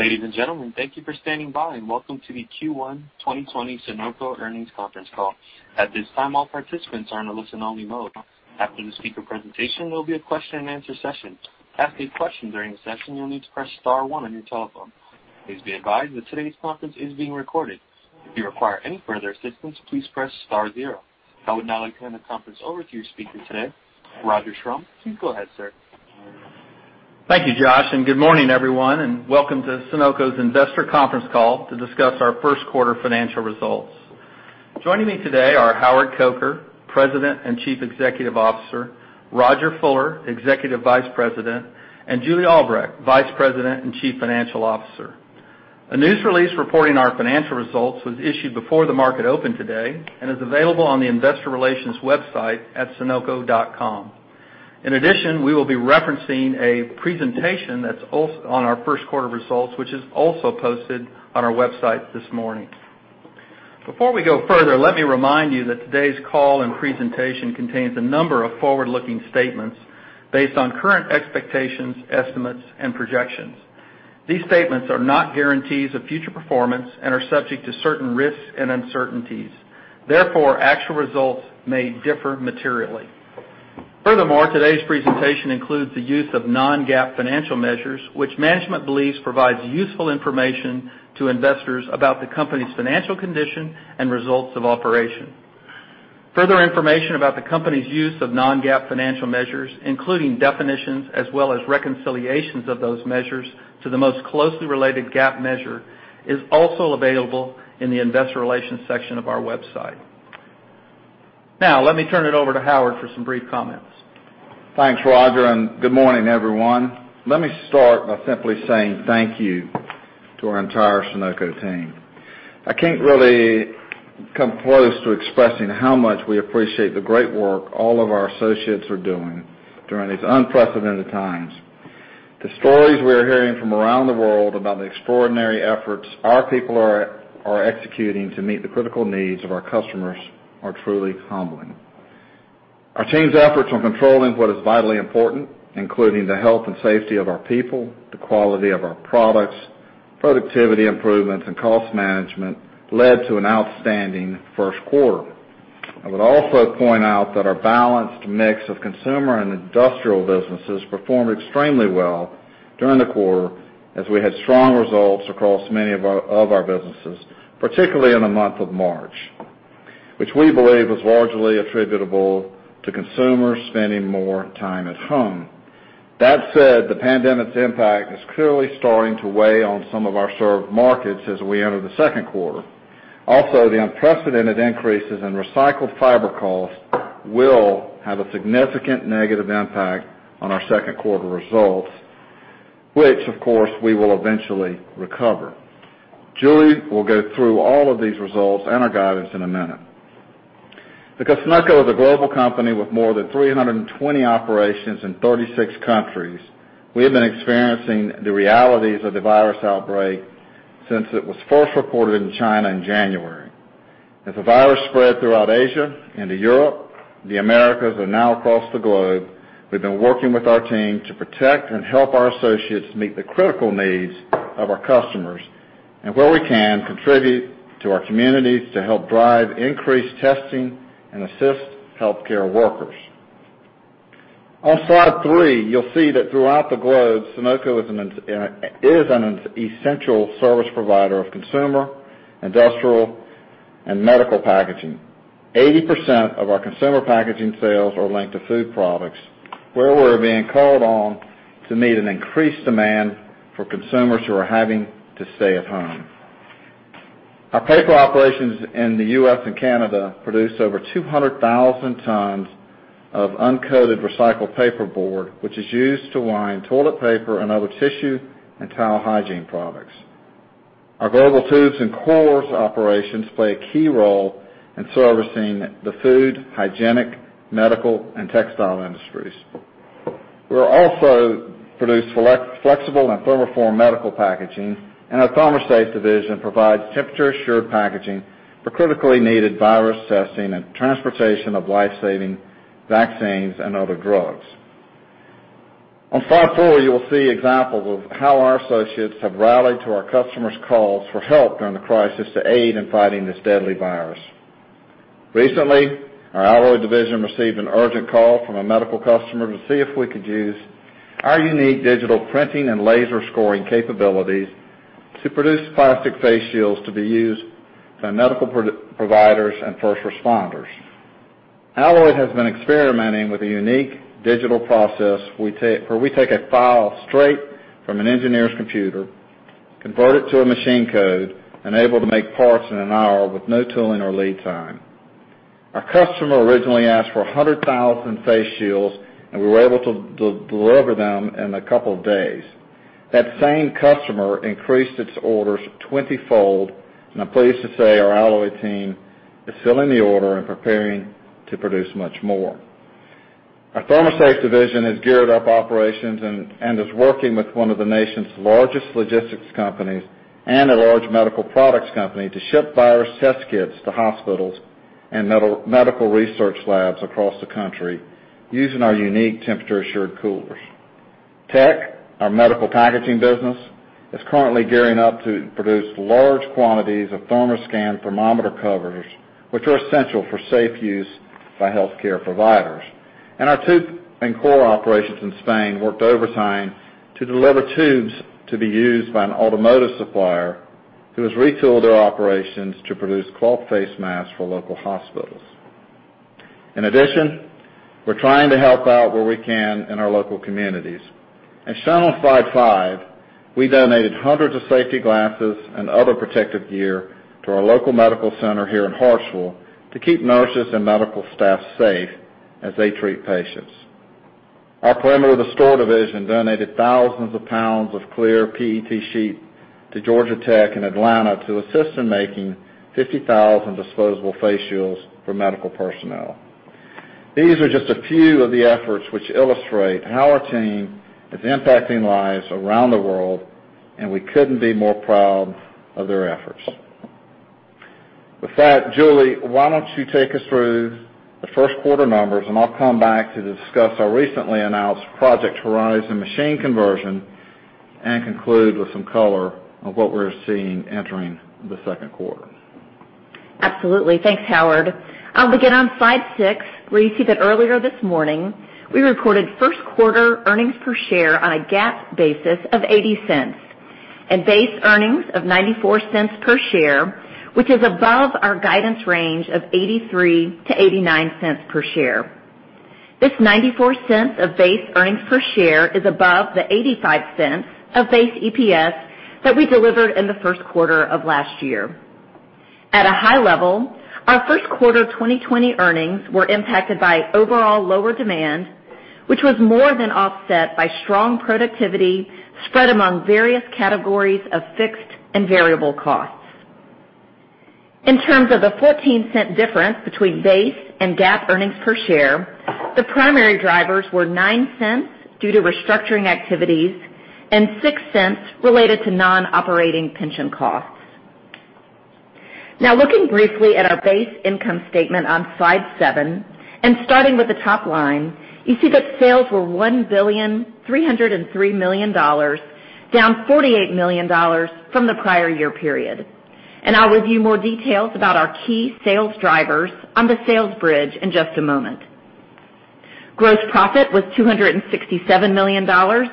Ladies and gentlemen, thank you for standing by and welcome to the Q1 2020 Sonoco Earnings Conference Call. At this time, all participants are in a listen-only mode. After the speaker presentation, there will be a question and answer session. To ask a question during the session, you'll need to press star one on your telephone. Please be advised that today's conference is being recorded. If you require any further assistance, please press star zero. I would now like to hand the conference over to your speaker today, Roger Schrum. Please go ahead, sir. Thank you, Josh, and good morning, everyone, and welcome to Sonoco's investor conference call to discuss our first quarter financial results. Joining me today are Howard Coker, President and Chief Executive Officer, Rodger Fuller, Executive Vice President, and Julie Albrecht, Vice President and Chief Financial Officer. A news release reporting our financial results was issued before the market opened today and is available on the investor relations website at sonoco.com. In addition, we will be referencing a presentation that's also on our first quarter results, which is also posted on our website this morning. Before we go further, let me remind you that today's call and presentation contains a number of forward-looking statements based on current expectations, estimates, and projections. These statements are not guarantees of future performance and are subject to certain risks and uncertainties. Therefore, actual results may differ materially. Furthermore, today's presentation includes the use of non-GAAP financial measures, which management believes provides useful information to investors about the company's financial condition and results of operation. Further information about the company's use of non-GAAP financial measures, including definitions, as well as reconciliations of those measures to the most closely related GAAP measure, is also available in the investor relations section of our website. Let me turn it over to Howard for some brief comments. Thanks, Roger, and good morning, everyone. Let me start by simply saying thank you to our entire Sonoco team. I can't really come close to expressing how much we appreciate the great work all of our associates are doing during these unprecedented times. The stories we are hearing from around the world about the extraordinary efforts our people are executing to meet the critical needs of our customers are truly humbling. Our team's efforts on controlling what is vitally important, including the health and safety of our people, the quality of our products, productivity improvements, and cost management, led to an outstanding first quarter. I would also point out that our balanced mix of consumer and industrial businesses performed extremely well during the quarter as we had strong results across many of our businesses, particularly in the month of March, which we believe was largely attributable to consumers spending more time at home. That said, the pandemic's impact is clearly starting to weigh on some of our served markets as we enter the second quarter. Also, the unprecedented increases in recycled fiber costs will have a significant negative impact on our second quarter results, which of course, we will eventually recover. Julie will go through all of these results and our guidance in a minute. Because Sonoco is a global company with more than 320 operations in 36 countries, we have been experiencing the realities of the virus outbreak since it was first reported in China in January. As the virus spread throughout Asia, into Europe, the Americas, and now across the globe, we've been working with our team to protect and help our associates meet the critical needs of our customers and, where we can, contribute to our communities to help drive increased testing and assist healthcare workers. On slide three, you'll see that throughout the globe, Sonoco is an essential service provider of consumer, industrial, and medical packaging. 80% of our consumer packaging sales are linked to food products, where we're being called on to meet an increased demand for consumers who are having to stay at home. Our paper operations in the U.S. and Canada produced over 200,000 tons of uncoated recycled paperboard, which is used to line toilet paper and other tissue and towel hygiene products. Our global tubes and cores operations play a key role in servicing the food, hygienic, medical, and textile industries. We also produce flexible and thermoformed medical packaging, and our ThermoSafe division provides temperature-assured packaging for critically needed virus testing and transportation of life-saving vaccines and other drugs. On slide four, you will see examples of how our associates have rallied to our customers' calls for help during the crisis to aid in fighting this deadly virus. Recently, our Alloyd division received an urgent call from a medical customer to see if we could use our unique digital printing and laser scoring capabilities to produce plastic face shields to be used by medical providers and first responders. Alloyd has been experimenting with a unique digital process where we take a file straight from an engineer's computer, convert it to a machine code, and able to make parts in an hour with no tooling or lead time. Our customer originally asked for 100,000 face shields, and we were able to deliver them in a couple of days. That same customer increased its orders 20-fold, and I'm pleased to say our Alloyd team is filling the order and preparing to produce much more. Our ThermoSafe division has geared up operations and is working with one of the nation's largest logistics companies and a large medical products company to ship virus test kits to hospitals and medical research labs across the country using our unique temperature-assured coolers. TEQ, our medical packaging business, is currently gearing up to produce large quantities of ThermoScan thermometer covers, which are essential for safe use by healthcare providers. Our tube and core operations in Spain worked overtime to deliver tubes to be used by an automotive supplier who has retooled their operations to produce cloth face masks for local hospitals. In addition, we're trying to help out where we can in our local communities. At [Channel 55], we donated hundreds of safety glasses and other protective gear to our local medical center here in Hartsville to keep nurses and medical staff safe as they treat patients. Our perimeter of the store division donated thousands of pounds of clear PET sheet to Georgia Tech in Atlanta to assist in making 50,000 disposable face shields for medical personnel. These are just a few of the efforts which illustrate how our team is impacting lives around the world, and we couldn't be more proud of their efforts. With that, Julie, why don't you take us through the first quarter numbers, and I'll come back to discuss our recently announced Project Horizon machine conversion and conclude with some color on what we're seeing entering the second quarter. Absolutely. Thanks, Howard. I'll begin on slide six, where you see that earlier this morning, we reported first quarter earnings per share on a GAAP basis of $0.80 and base earnings of $0.94 per share, which is above our guidance range of $0.83-$0.89 per share. This $0.94 of base earnings per share is above the $0.85 of base EPS that we delivered in the first quarter of last year. At a high level, our first quarter 2020 earnings were impacted by overall lower demand, which was more than offset by strong productivity spread among various categories of fixed and variable costs. In terms of the $0.14 difference between base and GAAP earnings per share, the primary drivers were $0.09 due to restructuring activities and $0.06 related to non-operating pension costs. Looking briefly at our base income statement on slide seven and starting with the top line, you see that sales were $1,303,000,000, down $48 million from the prior year period. I'll review more details about our key sales drivers on the sales bridge in just a moment. Gross profit was $267 million, $4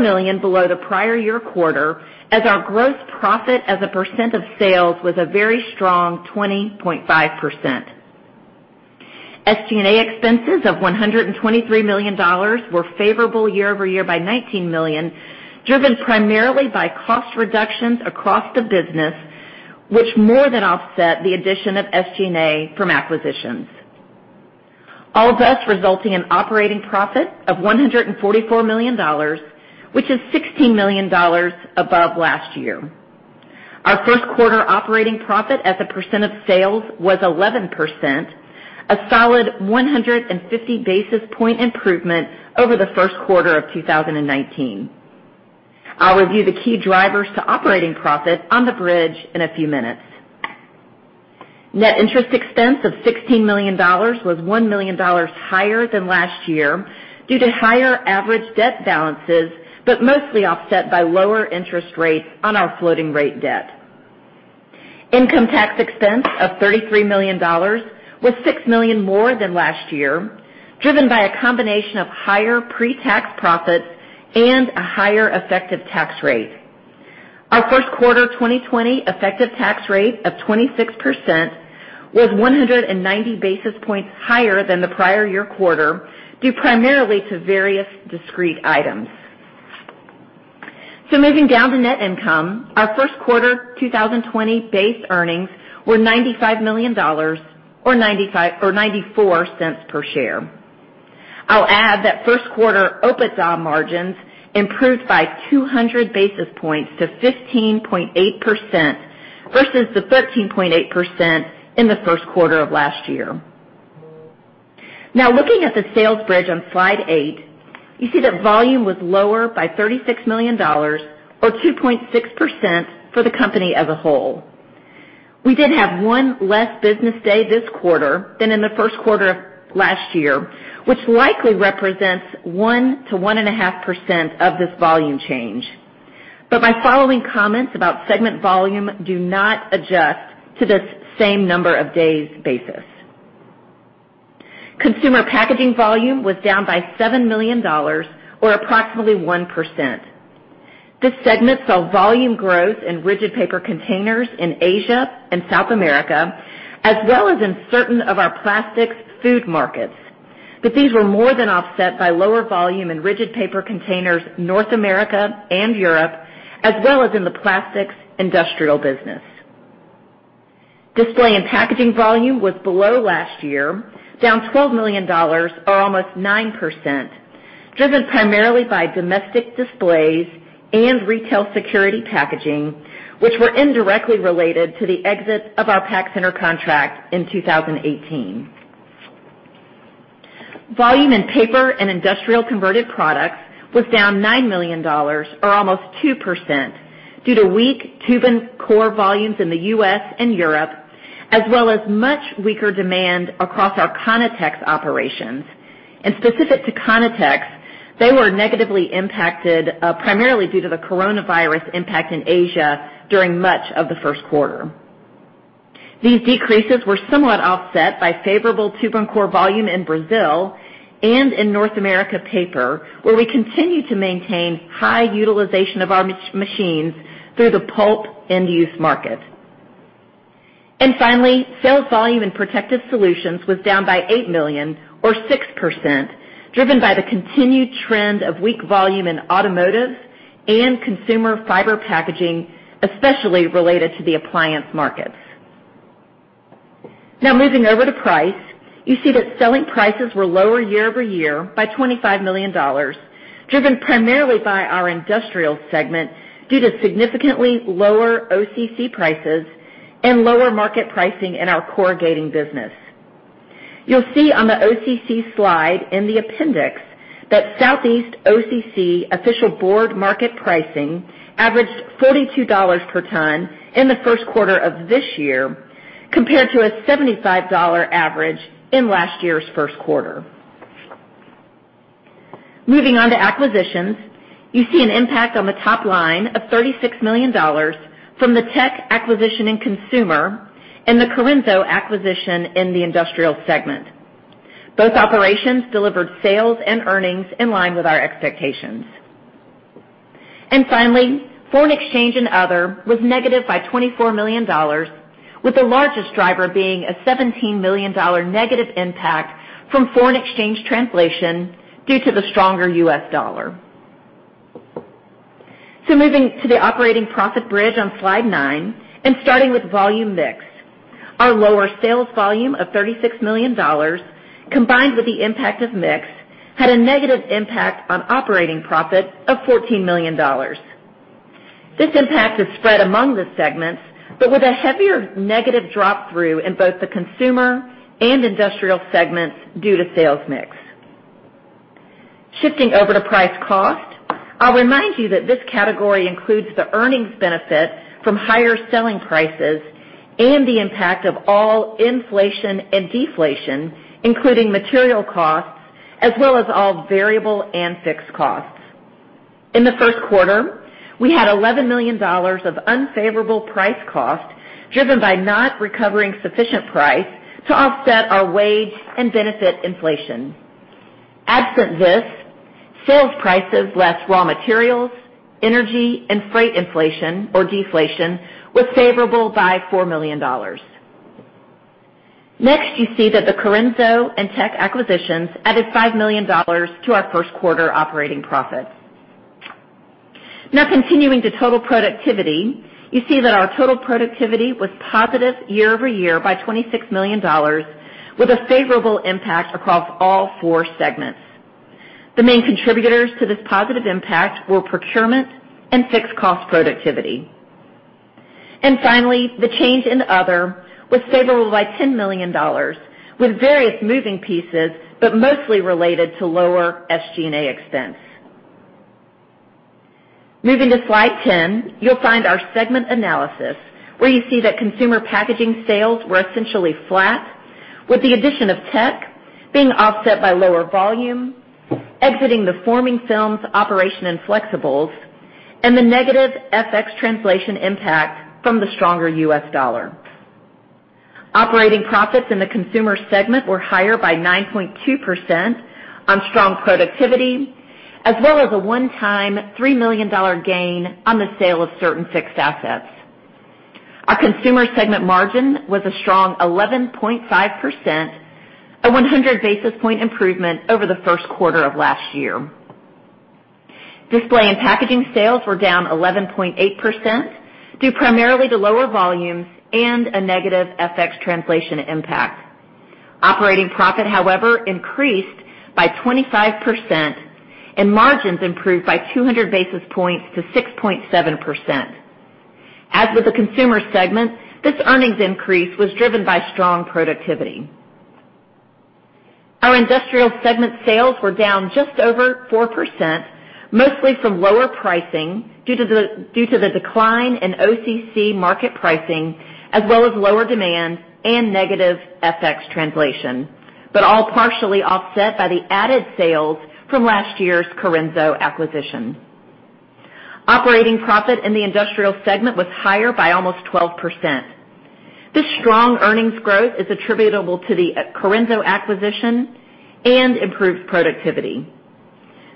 million below the prior year quarter as our gross profit as a percent of sales was a very strong 20.5%. SG&A expenses of $123 million were favorable year-over-year by $19 million, driven primarily by cost reductions across the business, which more than offset the addition of SG&A from acquisitions. All this resulting in operating profit of $144 million, which is $16 million above last year. Our first quarter operating profit as a percent of sales was 11%, a solid 150 basis point improvement over the first quarter of 2019. I'll review the key drivers to operating profit on the bridge in a few minutes. Net interest expense of $16 million was $1 million higher than last year due to higher average debt balances, but mostly offset by lower interest rates on our floating rate debt. Income tax expense of $33 million was $6 million more than last year, driven by a combination of higher pre-tax profits and a higher effective tax rate. Our first quarter 2020 effective tax rate of 26% was 190 basis points higher than the prior year quarter, due primarily to various discrete items. Moving down to net income, our first quarter 2020 base earnings were $95 million or $0.94 per share. I'll add that first quarter OIBDA margins improved by 200 basis points to 15.8% versus the 13.8% in the first quarter of last year. Now looking at the sales bridge on slide eight, you see that volume was lower by $36 million or 2.6% for the company as a whole. We did have one less business day this quarter than in the first quarter of last year, which likely represents 1%-1.5% of this volume change. My following comments about segment volume do not adjust to this same number of days basis. Consumer packaging volume was down by $7 million or approximately 1%. This segment saw volume growth in rigid paper containers in Asia and South America, as well as in certain of our plastics food markets. These were more than offset by lower volume in rigid paper containers North America and Europe, as well as in the plastics industrial business. Display and Packaging volume was below last year, down $12 million or 9%, driven primarily by domestic displays and retail security packaging, which were indirectly related to the exit of our pack center contract in 2018. Volume in paper and industrial converted products was down $9 million, or 2%, due to weak tube and core volumes in the U.S. and Europe, as well as much weaker demand across our Conitex operations. Specific to Conitex, they were negatively impacted primarily due to the coronavirus impact in Asia during much of the first quarter. These decreases were somewhat offset by favorable tube and core volume in Brazil and in North America paper, where we continue to maintain high utilization of our machines through the pulp end-use market. Finally, sales volume in Protective Solutions was down by $8 million, or 6%, driven by the continued trend of weak volume in automotive and consumer fiber packaging, especially related to the appliance markets. Moving over to price, you see that selling prices were lower year-over-year by $25 million, driven primarily by our industrial segment due to significantly lower OCC prices and lower market pricing in our corrugating business. On the OCC slide in the appendix that Southeast OCC official board market pricing averaged $42 per ton in the first quarter of this year, compared to a $75 average in last year's first quarter. Moving on to acquisitions, you see an impact on the top line of $36 million from the TEQ acquisition in consumer and the Corenso acquisition in the industrial segment. Both operations delivered sales and earnings in line with our expectations. Finally, foreign exchange and other was negative by $24 million, with the largest driver being a $17 million negative impact from foreign exchange translation due to the stronger U.S. dollar. Moving to the operating profit bridge on slide nine and starting with volume mix. Our lower sales volume of $36 million, combined with the impact of mix, had a negative impact on operating profit of $14 million. This impact is spread among the segments, but with a heavier negative drop through in both the consumer and industrial segments due to sales mix. Shifting over to price cost, I'll remind you that this category includes the earnings benefit from higher selling prices and the impact of all inflation and deflation, including material costs as well as all variable and fixed costs. In the first quarter, we had $11 million of unfavorable price cost, driven by not recovering sufficient price to offset our wage and benefit inflation. Absent this, sales prices less raw materials, energy, and freight inflation or deflation was favorable by $4 million. Next, you see that the Corenso and TEQ acquisitions added $5 million to our first quarter operating profits. Now continuing to total productivity. You see that our total productivity was positive year-over-year by $26 million, with a favorable impact across all four segments. The main contributors to this positive impact were procurement and fixed cost productivity. Finally, the change in other was favorable by $10 million, with various moving pieces, but mostly related to lower SG&A expense. Moving to slide 10, you'll find our segment analysis, where you see that consumer packaging sales were essentially flat, with the addition of TEQ being offset by lower volume, exiting the forming films operation and flexibles, and the negative FX translation impact from the stronger U.S. dollar. Operating profits in the consumer segment were higher by 9.2% on strong productivity, as well as a one-time $3 million gain on the sale of certain fixed assets. Our consumer segment margin was a strong 11.5%, a 100-basis-point improvement over the first quarter of last year. Display and Packaging sales were down 11.8%, due primarily to lower volumes and a negative FX translation impact. Operating profit, however, increased by 25%, and margins improved by 200 basis points to 6.7%. As with the consumer segment, this earnings increase was driven by strong productivity. Our industrial segment sales were down just over 4%, mostly from lower pricing due to the decline in OCC market pricing, as well as lower demand and negative FX translation, but all partially offset by the added sales from last year's Corenso acquisition. Operating profit in the industrial segment was higher by almost 12%. This strong earnings growth is attributable to the Corenso acquisition and improved productivity.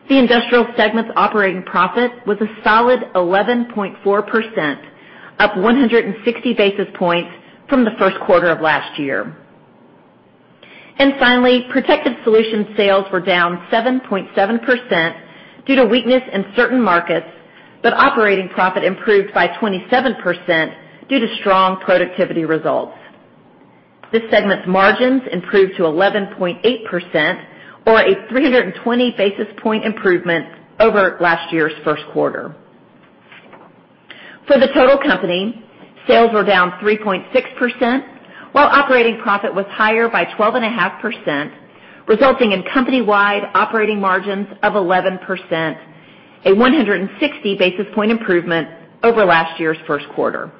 The industrial segment's operating profit was a solid 11.4%, up 160 basis points from the first quarter of last year. Finally, Protective Solutions sales were down 7.7% due to weakness in certain markets, but operating profit improved by 27% due to strong productivity results. This segment's margins improved to 11.8%, or a 320-basis-point improvement over last year's first quarter. For the total company, sales were down 3.6%, while operating profit was higher by 12.5%, resulting in company-wide operating margins of 11%, a 160 basis point improvement over last year's first quarter.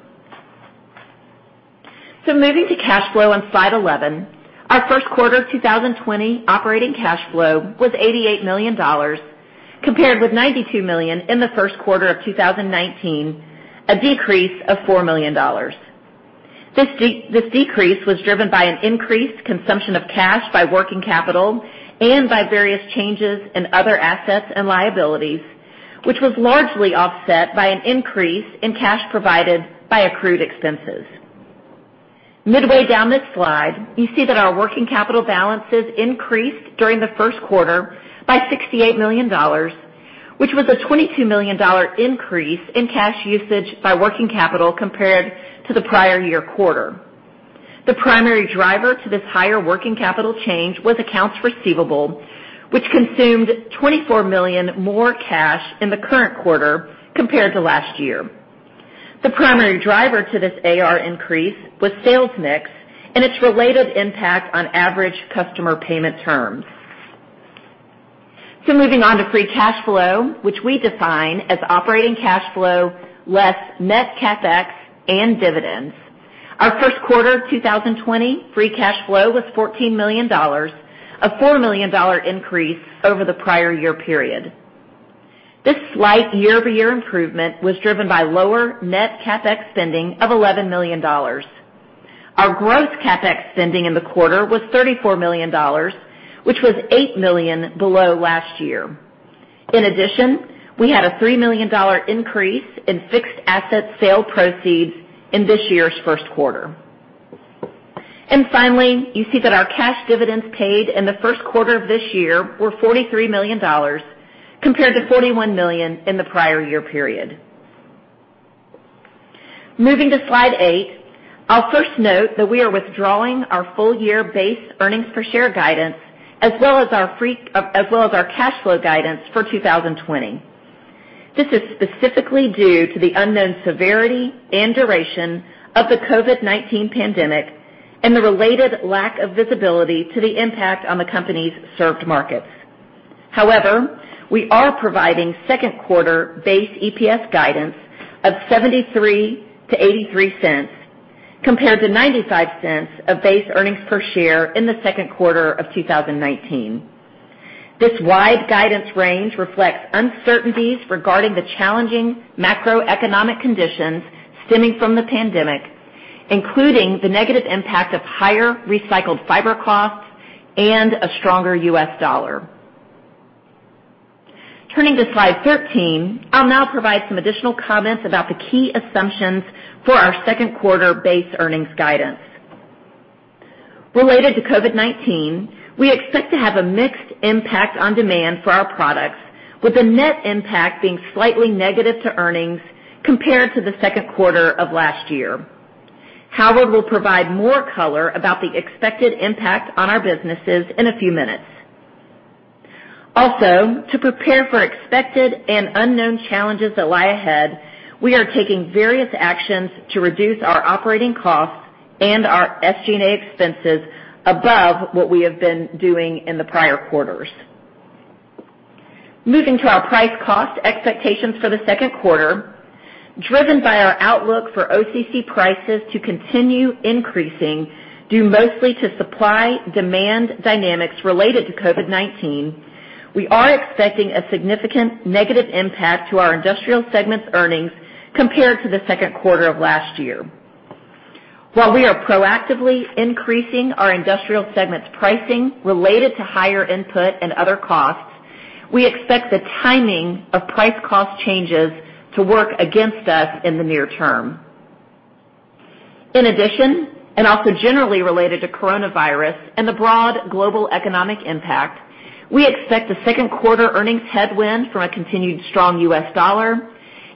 Moving to cash flow on slide 11, our first quarter of 2020 operating cash flow was $88 million, compared with $92 million in the first quarter of 2019, a decrease of $4 million. This decrease was driven by an increased consumption of cash by working capital and by various changes in other assets and liabilities, which was largely offset by an increase in cash provided by accrued expenses. Midway down this slide, you see that our working capital balances increased during the first quarter by $68 million, which was a $22 million increase in cash usage by working capital compared to the prior year quarter. The primary driver to this higher working capital change was accounts receivable, which consumed $24 million more cash in the current quarter compared to last year. The primary driver to this AR increase was sales mix and its related impact on average customer payment terms. Moving on to free cash flow, which we define as operating cash flow less net CapEx and dividends. Our first quarter 2020 free cash flow was $14 million, a four million increase over the prior year period. This slight year-over-year improvement was driven by lower net CapEx spending of $11 million. Our gross CapEx spending in the quarter was $34 million, which was $8 million below last year. In addition, we had a $3 million increase in fixed asset sale proceeds in this year's first quarter. Finally, you see that our cash dividends paid in the first quarter of this year were $43 million, compared to $41 million in the prior year period. Moving to slide eight, I'll first note that we are withdrawing our full year base earnings per share guidance, as well as our cash flow guidance for 2020. This is specifically due to the unknown severity and duration of the COVID-19 pandemic and the related lack of visibility to the impact on the company's served markets. However, we are providing second quarter base EPS guidance of $0.73-$0.83, compared to $0.95 of base earnings per share in the second quarter of 2019. This wide guidance range reflects uncertainties regarding the challenging macroeconomic conditions stemming from the COVID-19, including the negative impact of higher recycled fiber costs and a stronger U.S. dollar. Turning to slide 13, I'll now provide some additional comments about the key assumptions for our second quarter base earnings guidance. Related to COVID-19, we expect to have a mixed impact on demand for our products, with a net impact being slightly negative to earnings compared to the second quarter of last year. Howard will provide more color about the expected impact on our businesses in a few minutes. Also, to prepare for expected and unknown challenges that lie ahead, we are taking various actions to reduce our operating costs and our SG&A expenses above what we have been doing in the prior quarters. Moving to our price cost expectations for the second quarter, driven by our outlook for OCC prices to continue increasing due mostly to supply-demand dynamics related to COVID-19, we are expecting a significant negative impact to our industrial segment's earnings compared to the second quarter of last year. While we are proactively increasing our industrial segment's pricing related to higher input and other costs, we expect the timing of price cost changes to work against us in the near term. In addition, and also generally related to coronavirus and the broad global economic impact, we expect a second quarter earnings headwind from a continued strong U.S. dollar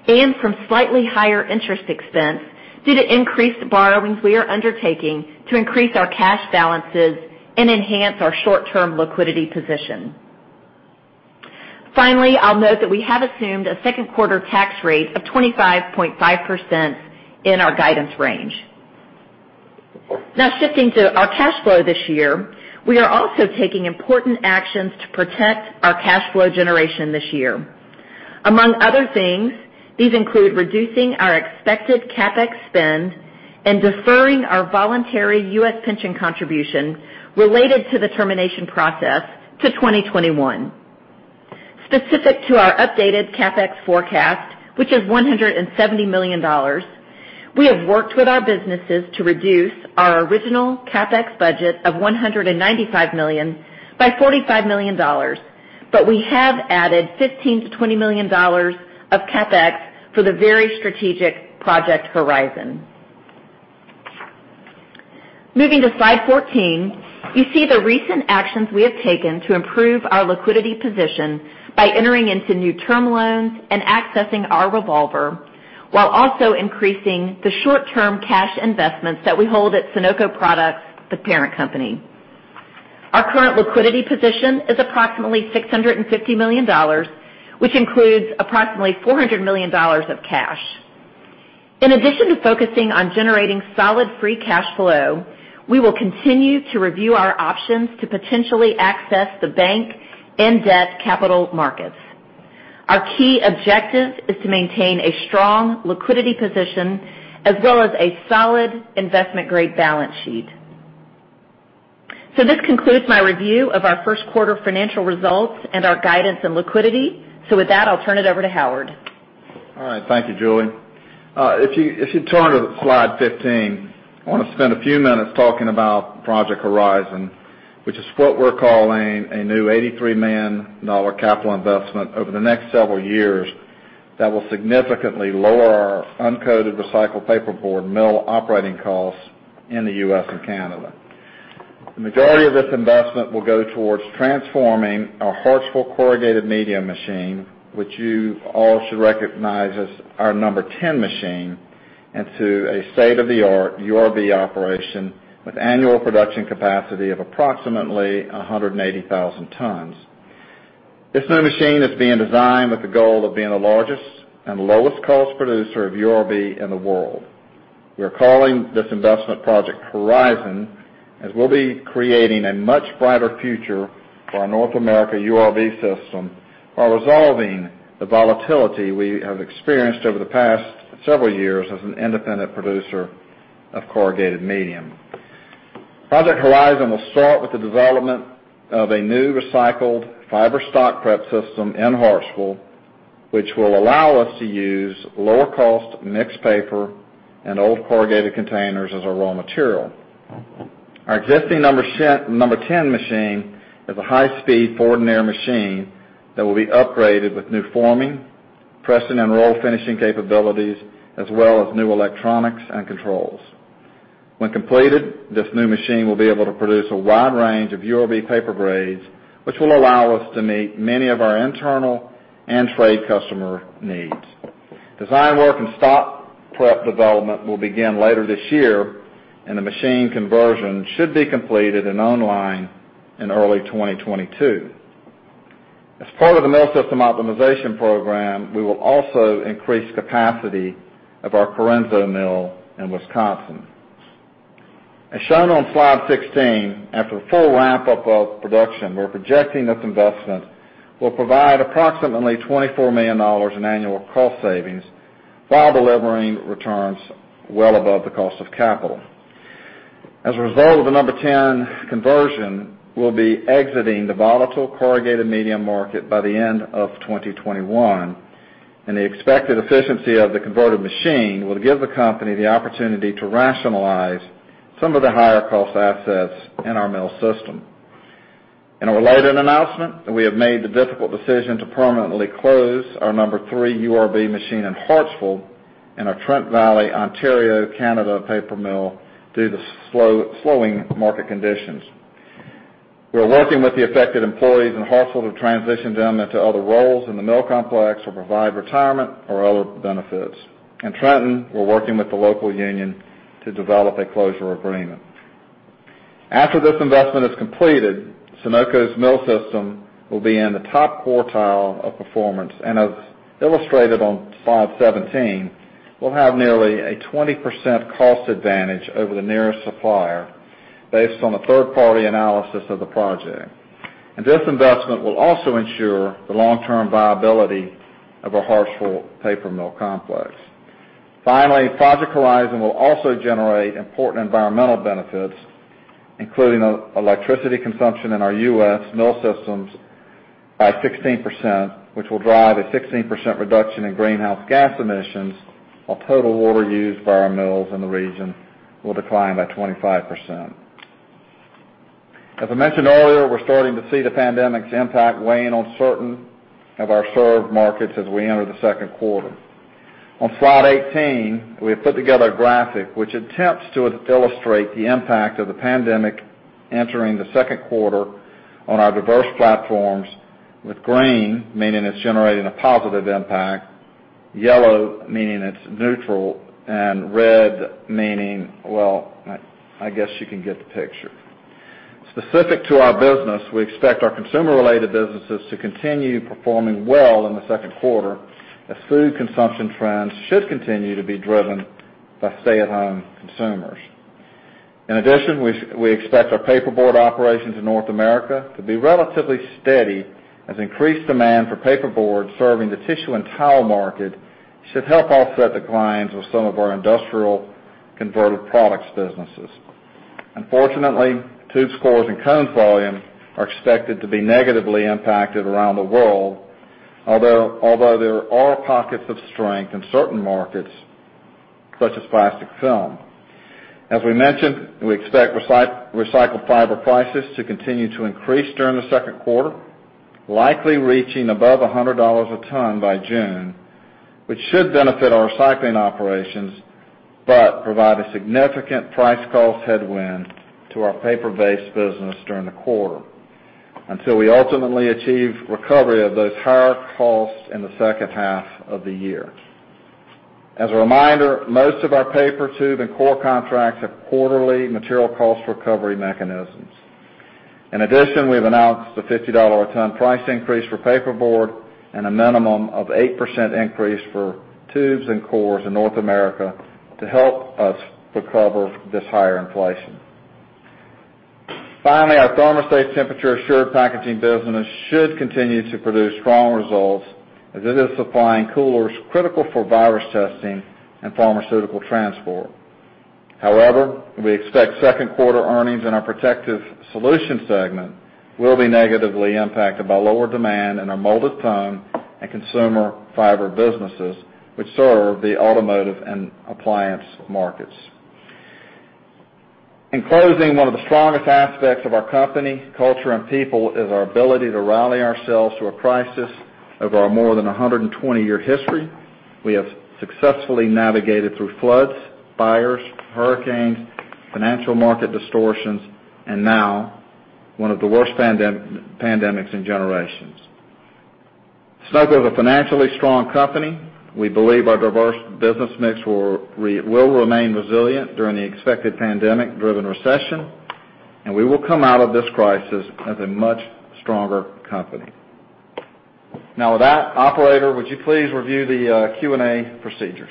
and from slightly higher interest expense due to increased borrowings we are undertaking to increase our cash balances and enhance our short-term liquidity position. Finally, I'll note that we have assumed a second quarter tax rate of 25.5% in our guidance range. Shifting to our cash flow this year, we are also taking important actions to protect our cash flow generation this year. Among other things, these include reducing our expected CapEx spend and deferring our voluntary U.S. pension contribution related to the termination process to 2021. Specific to our updated CapEx forecast, which is $170 million, we have worked with our businesses to reduce our original CapEx budget of $195 million by $45 million, but we have added $15 million-$20 million of CapEx for the very strategic Project Horizon. Moving to slide 14, you see the recent actions we have taken to improve our liquidity position by entering into new term loans and accessing our revolver while also increasing the short-term cash investments that we hold at Sonoco Products, the parent company. Our current liquidity position is approximately $650 million, which includes approximately $400 million of cash. In addition to focusing on generating solid free cash flow, we will continue to review our options to potentially access the bank and debt capital markets. Our key objective is to maintain a strong liquidity position as well as a solid investment-grade balance sheet. This concludes my review of our first quarter financial results and our guidance and liquidity. With that, I'll turn it over to Howard. All right. Thank you, Julie. If you turn to slide 15, I want to spend a few minutes talking about Project Horizon, which is what we're calling a new $83 million capital investment over the next several years that will significantly lower our uncoated recycled paperboard mill operating costs in the U.S. and Canada. The majority of this investment will go towards transforming our Hartsville corrugated medium machine, which you all should recognize as our number 10 machine, into a state-of-the-art URB operation with annual production capacity of approximately 180,000 tons. This new machine is being designed with the goal of being the largest and lowest cost producer of URB in the world. We're calling this investment Project Horizon, as we'll be creating a much brighter future for our North America URB system while resolving the volatility we have experienced over the past several years as an independent producer of corrugated medium. Project Horizon will start with the development of a new recycled fiber stock prep system in Hartsville, which will allow us to use lower cost mixed paper and old corrugated containers as our raw material. Our existing number 10 machine is a high-speed Fourdrinier machine that will be upgraded with new forming, pressing, and roll finishing capabilities, as well as new electronics and controls. When completed, this new machine will be able to produce a wide range of URB paper grades, which will allow us to meet many of our internal and trade customer needs. Design work and stock prep development will begin later this year, and the machine conversion should be completed and online in early 2022. As part of the mill system optimization program, we will also increase capacity of our Corenso mill in Wisconsin. As shown on slide 16, after the full ramp-up of production, we're projecting this investment will provide approximately $24 million in annual cost savings while delivering returns well above the cost of capital. As a result of the number 10 conversion, we'll be exiting the volatile corrugated medium market by the end of 2021, and the expected efficiency of the converted machine will give the company the opportunity to rationalize some of the higher cost assets in our mill system. In a related announcement, we have made the difficult decision to permanently close our number three URB machine in Hartsville and our Trenton, Ontario, Canada, paper mill due to the slowing market conditions. We're working with the affected employees in Hartsville to transition them into other roles in the mill complex or provide retirement or other benefits. In Trenton, we're working with the local union to develop a closure agreement. After this investment is completed, Sonoco's mill system will be in the top quartile of performance, and as illustrated on slide 17, we'll have nearly a 20% cost advantage over the nearest supplier based on the third-party analysis of the project. This investment will also ensure the long-term viability of our Hartsville paper mill complex. Finally, Project Horizon will also generate important environmental benefits, including electricity consumption in our U.S. mill systems by 16%, which will drive a 16% reduction in greenhouse gas emissions, while total water used by our mills in the region will decline by 25%. As I mentioned earlier, we're starting to see the pandemic's impact weighing on certain of our served markets as we enter the second quarter. On slide 18, we have put together a graphic which attempts to illustrate the impact of the pandemic entering the second quarter on our diverse platforms, with green meaning it's generating a positive impact, yellow meaning it's neutral, and red meaning well, I guess you can get the picture. Specific to our business, we expect our consumer-related businesses to continue performing well in the second quarter as food consumption trends should continue to be driven by stay-at-home consumers. In addition, we expect our paperboard operations in North America to be relatively steady as increased demand for paperboard serving the tissue and towel market should help offset the declines of some of our industrial converted products businesses. Unfortunately, tube and core volume are expected to be negatively impacted around the world, although there are pockets of strength in certain markets such as plastic film. As we mentioned, we expect recycled fiber prices to continue to increase during the second quarter, likely reaching above $100 a ton by June, which should benefit our recycling operations, but provide a significant price cost headwind to our paper-based business during the quarter until we ultimately achieve recovery of those higher costs in the second half of the year. As a reminder, most of our paper tube and core contracts have quarterly material cost recovery mechanisms. We've announced a $50 a ton price increase for paperboard and a minimum of 8% increase for tubes and cores in North America to help us recover this higher inflation. Our ThermoSafe temperature assured packaging business should continue to produce strong results as it is supplying coolers critical for virus testing and pharmaceutical transport. We expect second quarter earnings in our Protective Solutions segment will be negatively impacted by lower demand in our molded foam and consumer fiber businesses, which serve the automotive and appliance markets. One of the strongest aspects of our company, culture, and people is our ability to rally ourselves through a crisis. Over our more than 120-year history, we have successfully navigated through floods, fires, hurricanes, financial market distortions, and now one of the worst pandemics in generations. Sonoco is a financially strong company. We believe our diverse business mix will remain resilient during the expected pandemic-driven recession, and we will come out of this crisis as a much stronger company. Now with that, Operator, would you please review the Q&A procedures?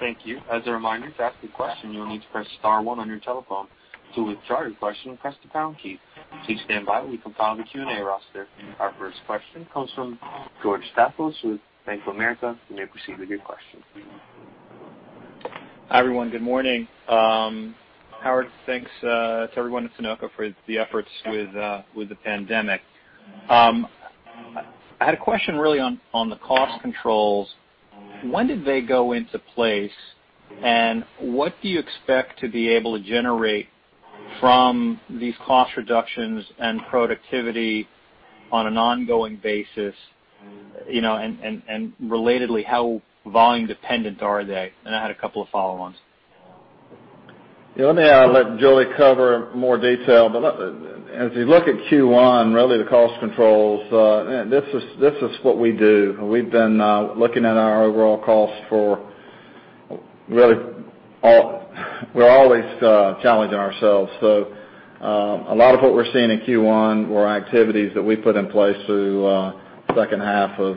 Thank you. As a reminder, to ask a question, you will need to press star one on your telephone. To withdraw your question, press the pound key. Please stand by while we compile the Q&A roster. Our first question comes from George Staphos with Bank of America. You may proceed with your question. Hi, everyone. Good morning. Howard, thanks to everyone at Sonoco for the efforts with the pandemic. I had a question really on the cost controls. When did they go into place, and what do you expect to be able to generate from these cost reductions and productivity on an ongoing basis? Relatedly, how volume dependent are they? I had a couple of follow-ons. Let me let Julie cover more detail. As you look at Q1, really the cost controls, this is what we do. We've been looking at our overall costs. We're always challenging ourselves. A lot of what we're seeing in Q1 were activities that we put in place through second half of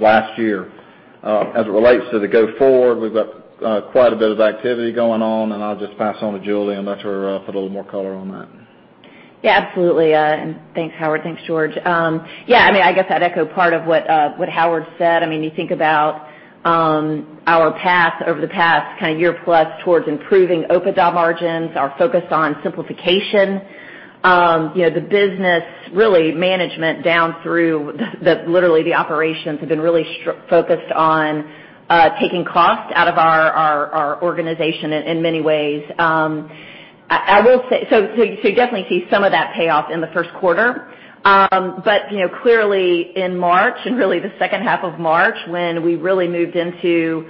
last year. As it relates to the go forward, we've got quite a bit of activity going on, and I'll just pass on to Julie and let her put a little more color on that. Yeah, absolutely. Thanks, Howard. Thanks, George. I guess I'd echo part of what Howard said. You think about our path over the past year plus towards improving OIBDA margins, our focus on simplification. The business, really management down through the operations have been really focused on taking cost out of our organization in many ways. You definitely see some of that payoff in the first quarter. Clearly in March, and really the second half of March, when we really moved into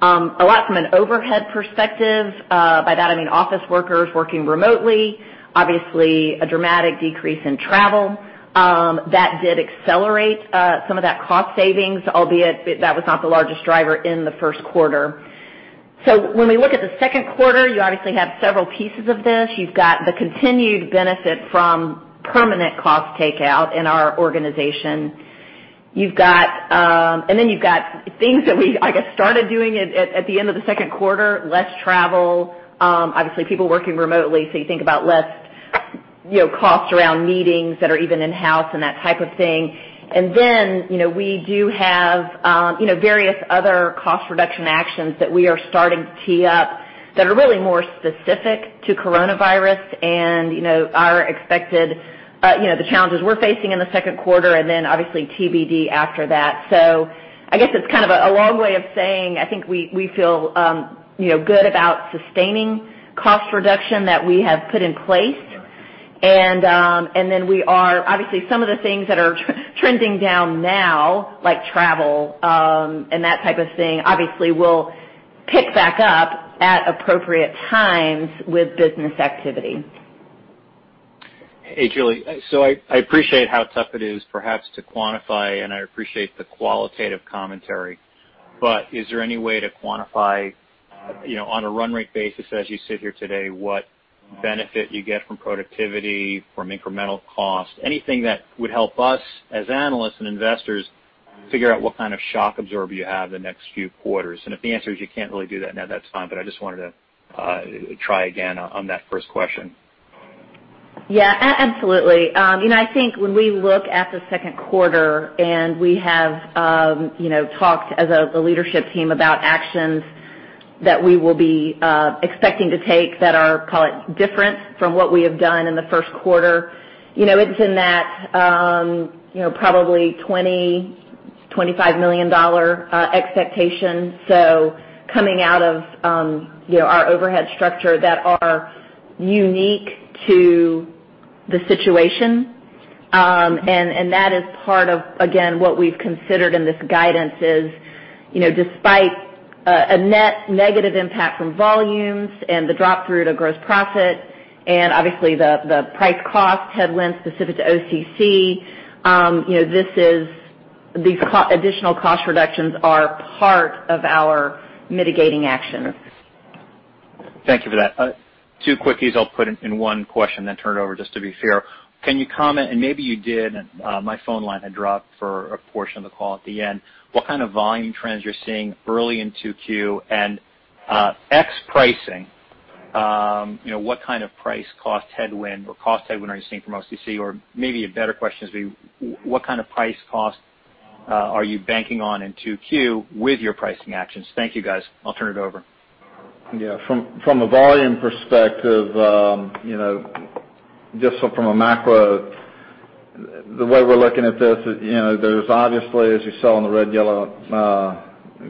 a lot from an overhead perspective, by that I mean office workers working remotely, obviously a dramatic decrease in travel. That did accelerate some of that cost savings, albeit that was not the largest driver in the first quarter. When we look at the second quarter, you obviously have several pieces of this. You've got the continued benefit from permanent cost takeout in our organization. You've got things that we, I guess, started doing at the end of the second quarter, less travel, obviously people working remotely, so you think about less costs around meetings that are even in-house and that type of thing. We do have various other cost reduction actions that we are starting to tee up that are really more specific to coronavirus and the challenges we're facing in the second quarter, and then obviously TBD after that. I guess it's kind of a long way of saying, I think we feel good about sustaining cost reduction that we have put in place. Obviously, some of the things that are trending down now, like travel, and that type of thing, obviously will pick back up at appropriate times with business activity. Hey, Julie. I appreciate how tough it is perhaps to quantify, and I appreciate the qualitative commentary. Is there any way to quantify on a run rate basis as you sit here today, what benefit you get from productivity, from incremental cost? Anything that would help us as analysts and investors figure out what kind of shock absorber you have the next few quarters? If the answer is you can't really do that now, that's fine. I just wanted to try again on that first question. Yeah, absolutely. I think when we look at the second quarter, we have talked as a leadership team about actions that we will be expecting to take that are, call it different from what we have done in the first quarter. It's in that probably $20 million-$25 million expectation. Coming out of our overhead structure that are unique to the situation. That is part of, again, what we've considered in this guidance is despite a net negative impact from volumes and the drop through to gross profit, obviously, the price cost headwind specific to OCC. These additional cost reductions are part of our mitigating actions. Thank you for that. Two quickies I'll put in one question, then turn it over just to be fair. Can you comment, and maybe you did, my phone line had dropped for a portion of the call at the end, what kind of volume trends you're seeing early in 2Q? Ex pricing, what kind of price cost headwind or cost headwind are you seeing from OCC? Maybe a better question is, what kind of price cost are you banking on in 2Q with your pricing actions? Thank you, guys. I'll turn it over. From a volume perspective, just from a macro, the way we're looking at this, there's obviously, as you saw on the red, yellow,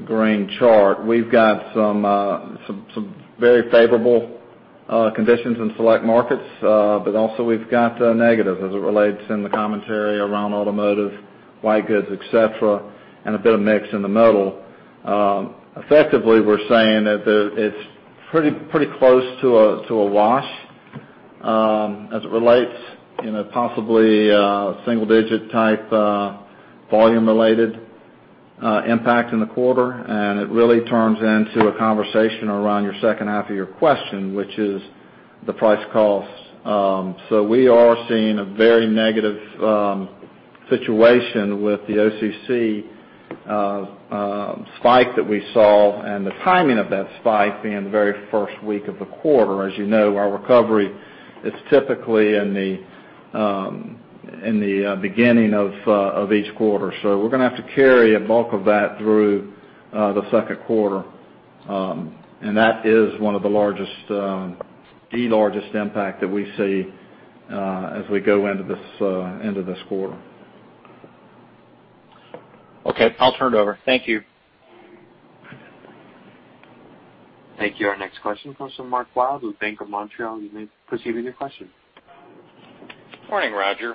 green chart, we've got some very favorable conditions in select markets. Also we've got a negative as it relates in the commentary around automotive, white goods, et cetera, and a bit of mix in the middle. Effectively, we're saying that it's pretty close to a wash as it relates possibly a single-digit type volume related impact in the quarter, and it really turns into a conversation around your second half of your question, which is the price/cost. We are seeing a very negative situation with the OCC spike that we saw, and the timing of that spike being the very first week of the quarter. As you know, our recovery is typically in the beginning of each quarter. We're going to have to carry a bulk of that through the second quarter. That is one of the largest impact that we see as we go into this quarter. Okay. I'll turn it over. Thank you. Thank you. Our next question comes from Mark Wilde with Bank of Montreal. You may proceed with your question. Morning, Rodger.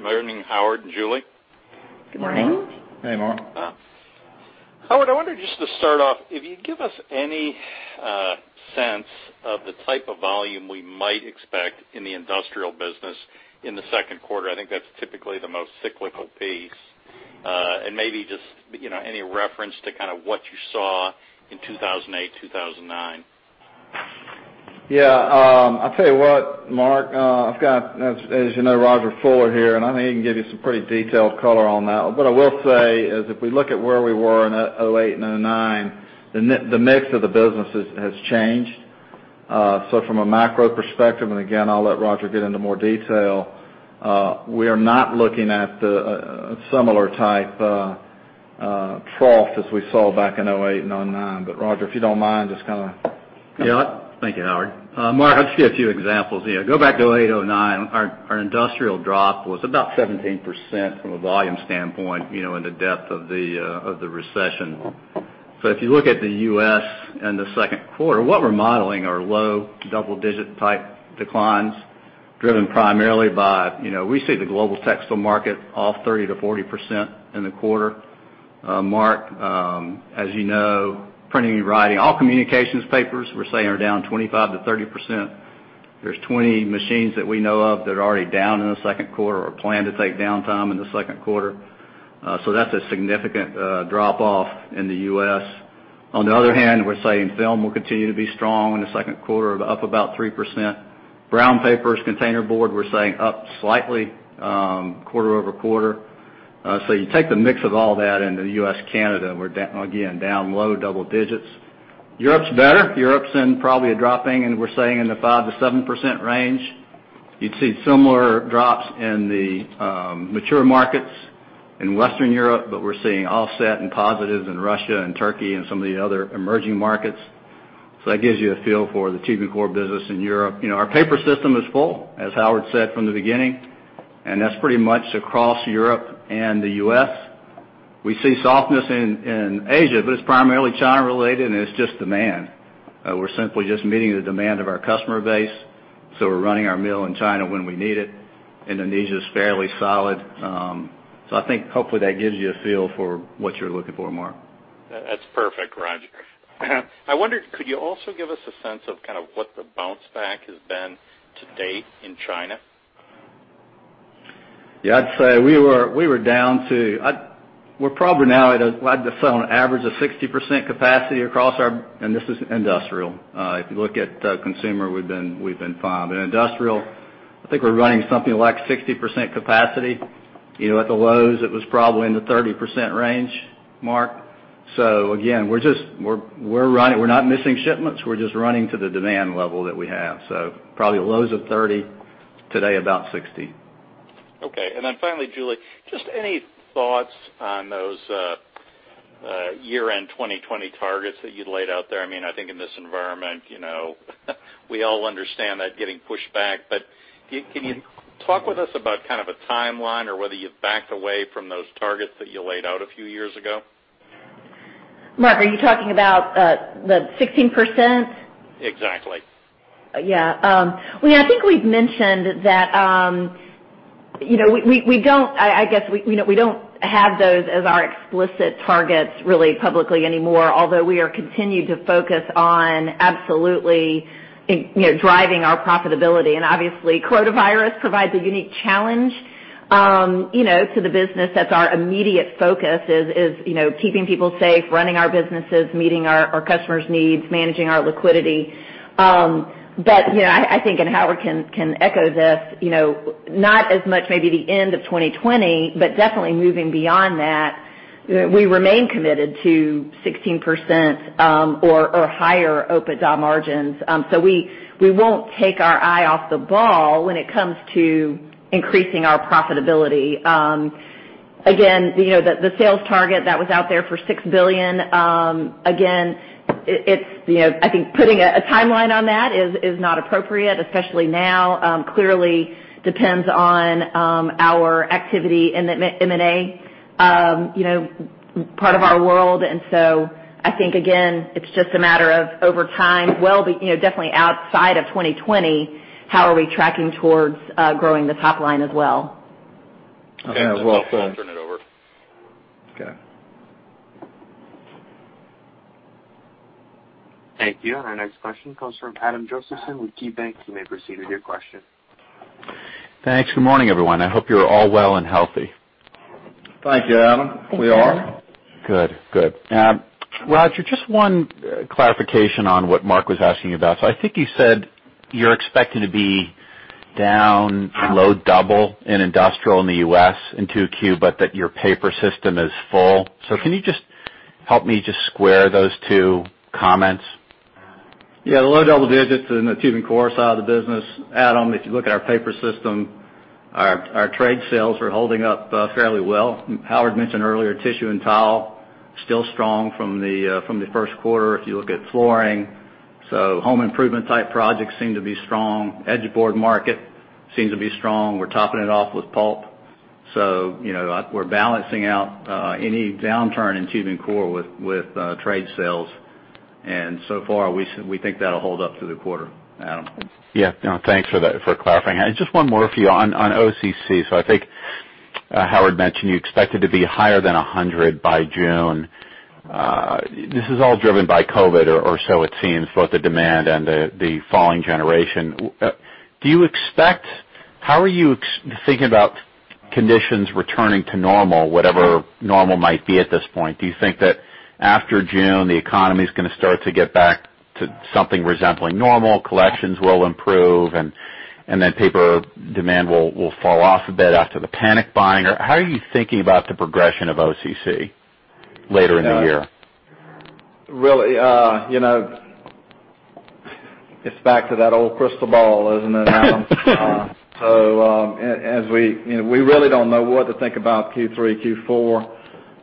Morning, Howard and Julie. Good morning. Hey, Mark. Howard, I wonder, just to start off, if you'd give us any sense of the type of volume we might expect in the industrial business in the second quarter. I think that's typically the most cyclical piece. Maybe just any reference to kind of what you saw in 2008, 2009. Yeah. I'll tell you what, Mark. I've got, as you know, Rodger Fuller here, and I think he can give you some pretty detailed color on that. What I will say is if we look at where we were in 2008 and 2009, the mix of the businesses has changed. From a macro perspective, and again, I'll let Rodger get into more detail, we are not looking at a similar type trough as we saw back in 2008 and 2009. Rodger, if you don't mind, just kind of- Yeah. Thank you, Howard. Mark, I'll just give you a few examples here. Go back to 2008, 2009, our industrial drop was about 17% from a volume standpoint in the depth of the recession. If you look at the U.S. and the second quarter, what we're modeling are low double-digit type declines, driven primarily by, we see the global textile market off 30%-40% in the quarter. Mark, as you know, printing and writing, all communications papers, we're saying are down 25%-30%. There's 20 machines that we know of that are already down in the second quarter or plan to take downtime in the second quarter. That's a significant drop-off in the U.S. On the other hand, we're saying film will continue to be strong in the second quarter of up about 3%. Brown papers, containerboard, we're saying up slightly quarter-over-quarter. You take the mix of all that into the U.S., Canada, we're again, down low double-digits. Europe's better. Europe's in probably a drop, and we're saying in the 5%-7% range. You'd see similar drops in the mature markets in Western Europe, but we're seeing offset and positives in Russia and Turkey and some of the other emerging markets. That gives you a feel for the tissue core business in Europe. Our paper system is full, as Howard said from the beginning, and that's pretty much across Europe and the U.S. We see softness in Asia, but it's primarily China related, and it's just demand. We're simply just meeting the demand of our customer base. We're running our mill in China when we need it. Indonesia's fairly solid. I think hopefully that gives you a feel for what you're looking for, Mark. That's perfect, Rodger. I wondered, could you also give us a sense of kind of what the bounce back has been to date in China? Yeah, we're probably now at, I'd have to say, on an average of 60% capacity across our, and this is industrial. If you look at consumer, we've been fine. Industrial, I think we're running something like 60% capacity. At the lows, it was probably in the 30% range, Mark. Again, we're not missing shipments. We're just running to the demand level that we have. Probably lows of 30%, today about 60%. Okay. Finally, Julie, just any thoughts on those year-end 2020 targets that you'd laid out there? I think in this environment we all understand that getting pushed back. Can you talk with us about kind of a timeline or whether you've backed away from those targets that you laid out a few years ago? Mark, are you talking about the 16%? Exactly. Well, I think we've mentioned that we don't have those as our explicit targets really publicly anymore, although we are continued to focus on absolutely driving our profitability. Obviously coronavirus provides a unique challenge to the business. That's our immediate focus is keeping people safe, running our businesses, meeting our customers' needs, managing our liquidity. I think, and Howard can echo this, not as much maybe the end of 2020, but definitely moving beyond that, we remain committed to 16% or higher OIBDA margins. We won't take our eye off the ball when it comes to increasing our profitability. The sales target that was out there for $6 billion, I think putting a timeline on that is not appropriate, especially now. Clearly depends on our activity in the M&A part of our world. I think, again, it's just a matter of over time, definitely outside of 2020, how are we tracking towards growing the top line as well? Okay. Well- I'll turn it over. Okay. Thank you. Our next question comes from Adam Josephson with KeyBanc. You may proceed with your question. Thanks. Good morning, everyone. I hope you're all well and healthy. Thank you, Adam. We are. Good. Rodger, just one clarification on what Mark was asking about. I think you said you're expecting to be down low double in industrial in the U.S. in 2Q, but that your paper system is full. Can you just help me just square those two comments? Yeah, the low double digits in the tube and core side of the business, Adam, if you look at our paper system, our trade sales are holding up fairly well. Howard mentioned earlier, tissue and towel, still strong from the first quarter if you look at flooring. Home improvement type projects seem to be strong. Edgeboard market seems to be strong. We're topping it off with pulp. We're balancing out any downturn in tube and core with trade sales, and so far, we think that'll hold up through the quarter, Adam. Yeah. No, thanks for clarifying. Just one more for you on OCC. I think Howard mentioned you expected to be higher than 100 by June. This is all driven by COVID or so it seems, both the demand and the falling generation. How are you thinking about conditions returning to normal, whatever normal might be at this point? Do you think that after June, the economy's going to start to get back to something resembling normal, collections will improve, and then paper demand will fall off a bit after the panic buying? How are you thinking about the progression of OCC later in the year? Really, it's back to that old crystal ball, isn't it, Adam? We really don't know what to think about Q3, Q4.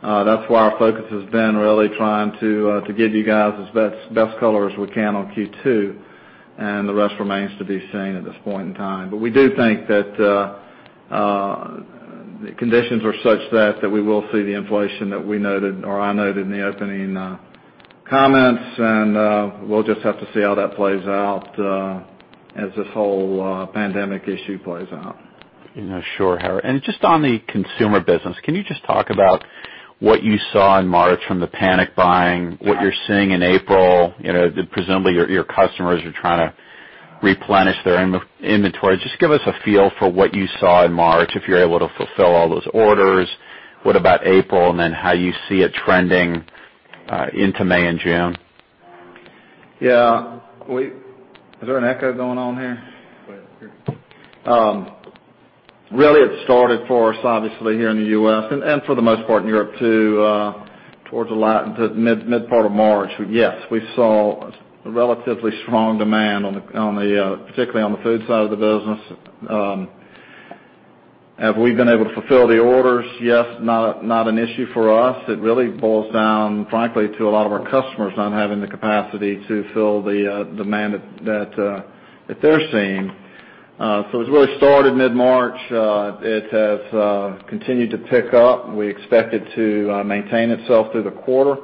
That's why our focus has been really trying to give you guys as best color as we can on Q2, and the rest remains to be seen at this point in time. We do think that the conditions are such that we will see the inflation that we noted or I noted in the opening comments, and we'll just have to see how that plays out as this whole pandemic issue plays out. Sure, Howard. Just on the consumer business, can you just talk about what you saw in March from the panic buying, what you're seeing in April? Presumably, your customers are trying to replenish their inventory. Just give us a feel for what you saw in March, if you're able to fulfill all those orders. What about April? How you see it trending into May and June. Yeah. Is there an echo going on here? Go ahead. It started for us, obviously here in the U.S. and for the most part in Europe too towards the mid part of March. Yes, we saw a relatively strong demand, particularly on the food side of the business. Have we been able to fulfill the orders? Yes, not an issue for us. It really boils down, frankly, to a lot of our customers not having the capacity to fill the demand that they're seeing. It really started mid-March. It has continued to pick up. We expect it to maintain itself through the quarter.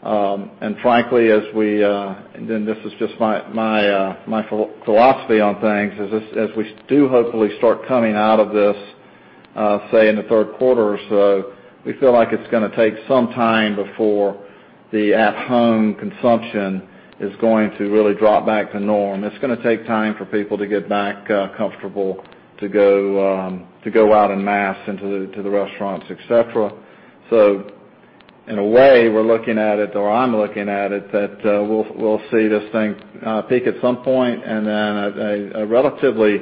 Frankly, this is just my philosophy on things, as we do hopefully start coming out of this, say in the third quarter or so, we feel like it's going to take some time before the at-home consumption is going to really drop back to norm. It's going to take time for people to get back comfortable to go out en masse into the restaurants, et cetera. In a way, we're looking at it or I'm looking at it that we'll see this thing peak at some point and then a relatively,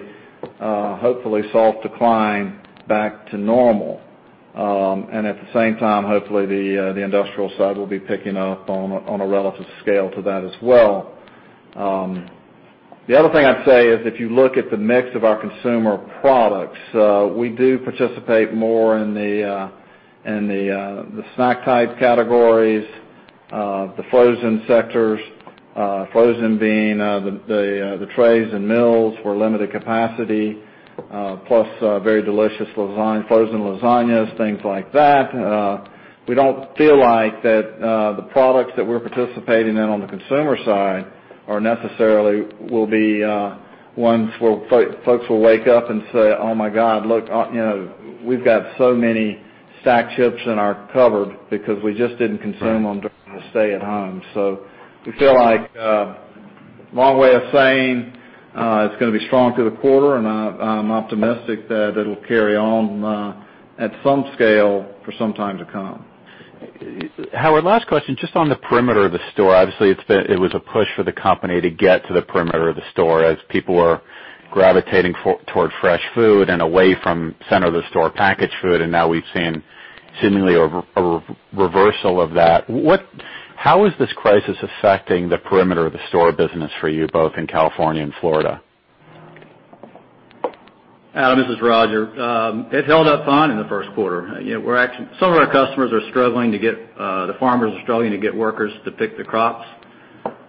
hopefully soft decline back to normal. At the same time, hopefully the industrial side will be picking up on a relative scale to that as well. The other thing I'd say is if you look at the mix of our consumer products, we do participate more in the snack-type categories, the frozen sectors. Frozen being the trays and mills for limited capacity Plus very delicious frozen lasagnas, things like that. We don't feel like that the products that we're participating in on the consumer side are necessarily will be ones where folks will wake up and say, "Oh, my God, look, we've got so many snack chips in our cupboard because we just didn't consume them during the stay at home." We feel like, long way of saying, it's going to be strong through the quarter, and I'm optimistic that it'll carry on at some scale for some time to come. Howard, last question, just on the Perimeter of the Store. Obviously, it was a push for the company to get to the Perimeter of the Store as people were gravitating toward fresh food and away from center of the store packaged food. Now we've seen seemingly a reversal of that. How is this crisis affecting the Perimeter of the Store business for you, both in California and Florida? Adam, this is Rodger. It held up fine in the first quarter. Some of our customers are struggling to get workers to pick the crops.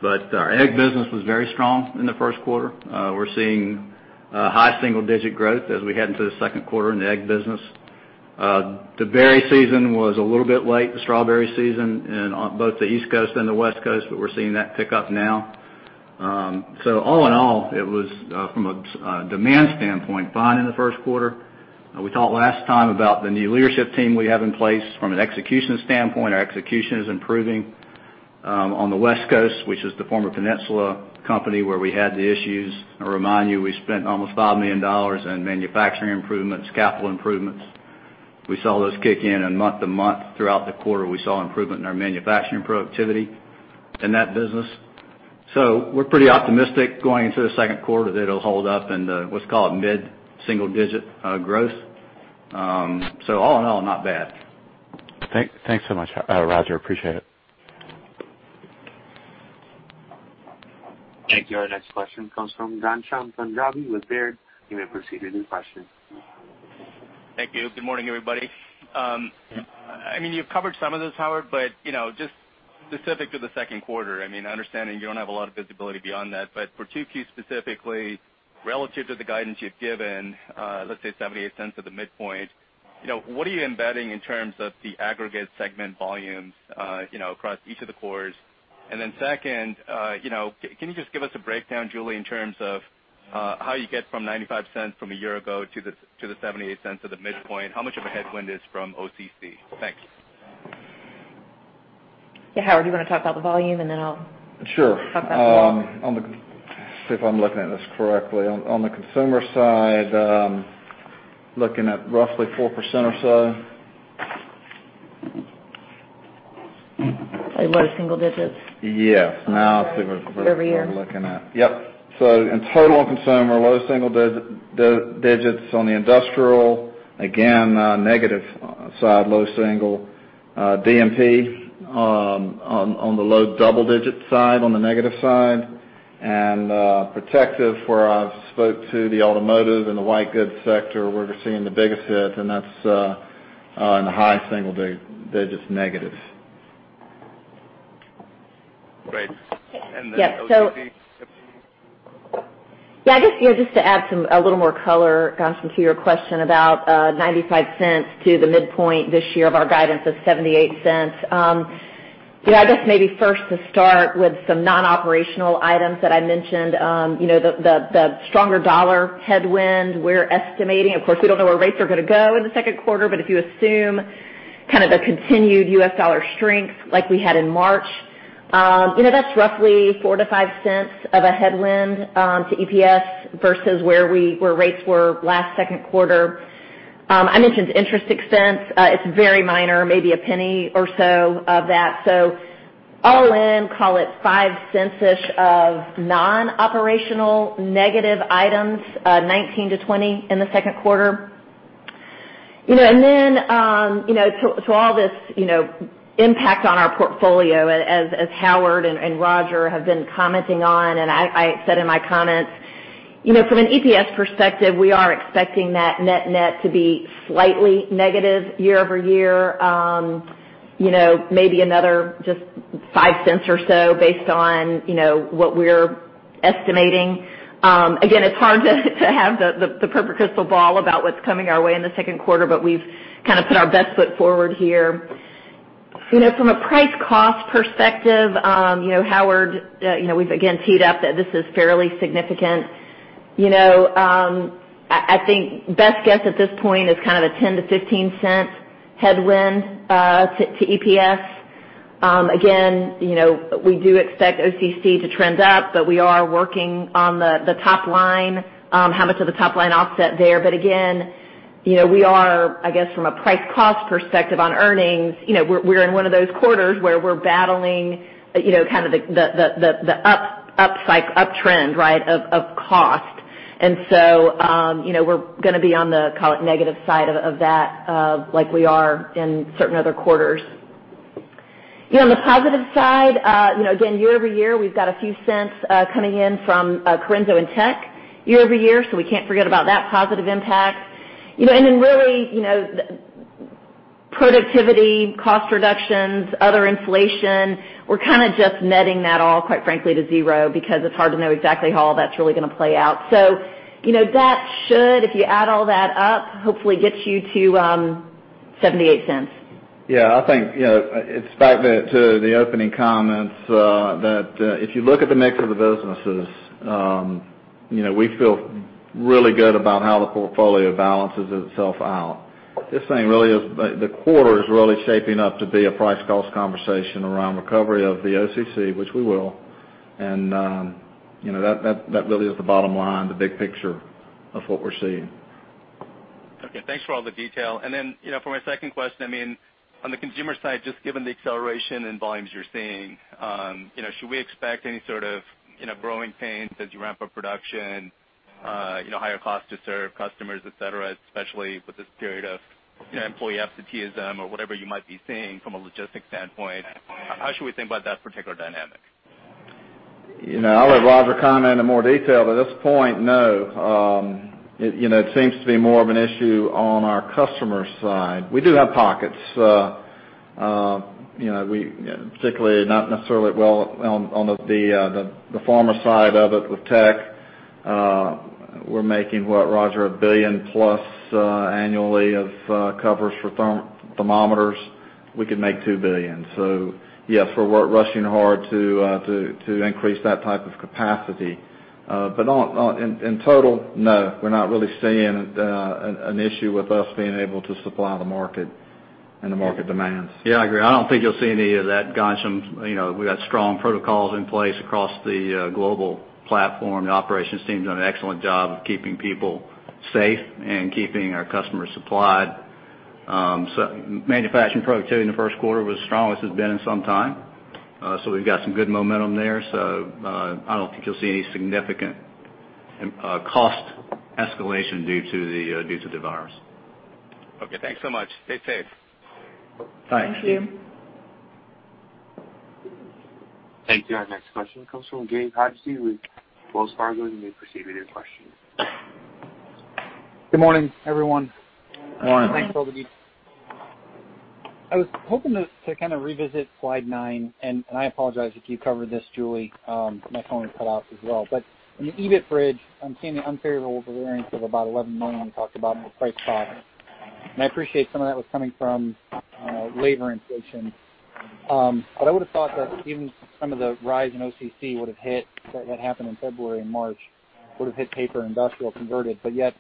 Our egg business was very strong in the first quarter. We're seeing high single-digit growth as we head into the second quarter in the egg business. The berry season was a little bit late, the strawberry season, in both the East Coast and the West Coast, we're seeing that pick up now. All in all, it was, from a demand standpoint, fine in the first quarter. We talked last time about the new leadership team we have in place. From an execution standpoint, our execution is improving. On the West Coast, which is the former Peninsula company where we had the issues, I remind you, we spent almost $5 million in manufacturing improvements, capital improvements. We saw those kick in, and month-to-month throughout the quarter, we saw improvement in our manufacturing productivity in that business. We're pretty optimistic going into the second quarter that it'll hold up in the, what's called, mid-single digit growth. All in all, not bad. Thanks so much, Rodger. Appreciate it. Thank you. Our next question comes from Ghansham Panjabi with Baird. You may proceed with your question. Thank you. Good morning, everybody. I mean, you've covered some of this, Howard, but just specific to the second quarter, understanding you don't have a lot of visibility beyond that, but for 2Q specifically, relative to the guidance you've given, let's say $0.78 at the midpoint, what are you embedding in terms of the aggregate segment volumes across each of the cores? Second, can you just give us a breakdown, Julie, in terms of how you get from $0.95 from a year ago to the $0.78 to the midpoint? How much of a headwind is from OCC? Thanks. Yeah, Howard, do you want to talk about the volume? Sure talk about the volume. Let's see if I'm looking at this correctly. On the consumer side, looking at roughly 4% or so. Low single digits. Yes. Now let's see. year-over-year we're looking at. Yep. In total, on consumer, low single digits. On the industrial, again, negative side, low single. D&P, on the low double-digit side, on the negative side. Protective, where I spoke to the automotive and the white goods sector, where we're seeing the biggest hit, and that's in the high single digits negatives. Great. Then OCC? Yeah, just to add a little more color, Ghansham, to your question about $0.95 to the midpoint this year of our guidance of $0.78. I guess maybe first to start with some non-operational items that I mentioned. The stronger U.S. dollar headwind we're estimating. Of course, we don't know where rates are going to go in the second quarter, but if you assume kind of the continued U.S. dollar strength like we had in March, that's roughly $0.04-$0.05 of a headwind to EPS versus where rates were last second quarter. I mentioned interest expense. It's very minor, maybe $0.01 or so of that. All in, call it $0.05-ish of non-operational negative items, $0.19-$0.20 in the second quarter. To all this impact on our portfolio, as Howard and Rodger have been commenting on, and I said in my comments, from an EPS perspective, we are expecting that net-net to be slightly negative year-over-year. Maybe another just $0.05 or so based on what we're estimating. It's hard to have the perfect crystal ball about what's coming our way in the second quarter, but we've kind of put our best foot forward here. From a price cost perspective, Howard, we've again teed up that this is fairly significant. I think best guess at this point is kind of a $0.10-$0.15 headwind to EPS. Again, we do expect OCC to trend up, but we are working on the top line, how much of a top line offset there. Again, we are, I guess, from a price cost perspective on earnings, we're in one of those quarters where we're battling the uptrend of cost. We're going to be on the, call it, negative side of that like we are in certain other quarters. On the positive side, again, year-over-year, we've got a few cents coming in from Corenso and TEQ year-over-year, we can't forget about that positive impact. Then really, productivity, cost reductions, other inflation, we're kind of just netting that all, quite frankly, to zero, because it's hard to know exactly how all that's really going to play out. So, that should, if you add all that up, hopefully get you to $0.78. Yeah, I think it's back to the opening comments, that if you look at the mix of the businesses, we feel really good about how the portfolio balances itself out. The quarter is really shaping up to be a price cost conversation around recovery of the OCC, which we will. That really is the bottom line, the big picture of what we're seeing. Okay. Thanks for all the detail. For my second question, on the consumer side, just given the acceleration in volumes you're seeing, should we expect any sort of growing pains as you ramp up production, higher cost to serve customers, et cetera, especially with this period of employee absenteeism or whatever you might be seeing from a logistics standpoint? How should we think about that particular dynamic? I'll let Rodger comment in more detail. At this point, no. It seems to be more of an issue on our customer side. We do have pockets. Particularly, not necessarily well on the pharma side of it with TEQ. We're making, what, Rodger, a billion-plus annually of covers for ThermoScan. We could make 2 billion. Yes, we're rushing hard to increase that type of capacity. In total, no. We're not really seeing an issue with us being able to supply the market and the market demands. Yeah, I agree. I don't think you'll see any of that guidance. We got strong protocols in place across the global platform. The operations team's done an excellent job of keeping people safe and keeping our customers supplied. Manufacturing productivity in the first quarter was strong as it's been in some time. We've got some good momentum there. I don't think you'll see any significant cost escalation due to the virus. Okay. Thanks so much. Stay safe. Thanks. Thank you. Thank you. Our next question comes from Gabe Hajde with Wells Fargo. We proceed with your question. Good morning, everyone. Morning. Thanks for all the detail. I was hoping to kind of revisit slide nine, and I apologize if you covered this, Julie. My phone was cut off as well. In the EBIT bridge, I'm seeing the unfavorable variance of about $11 million you talked about in the price cost. I appreciate some of that was coming from labor inflation. I would've thought that even some of the rise in OCC would've hit, that happened in February and March, would've hit paper, industrial, converted, but yet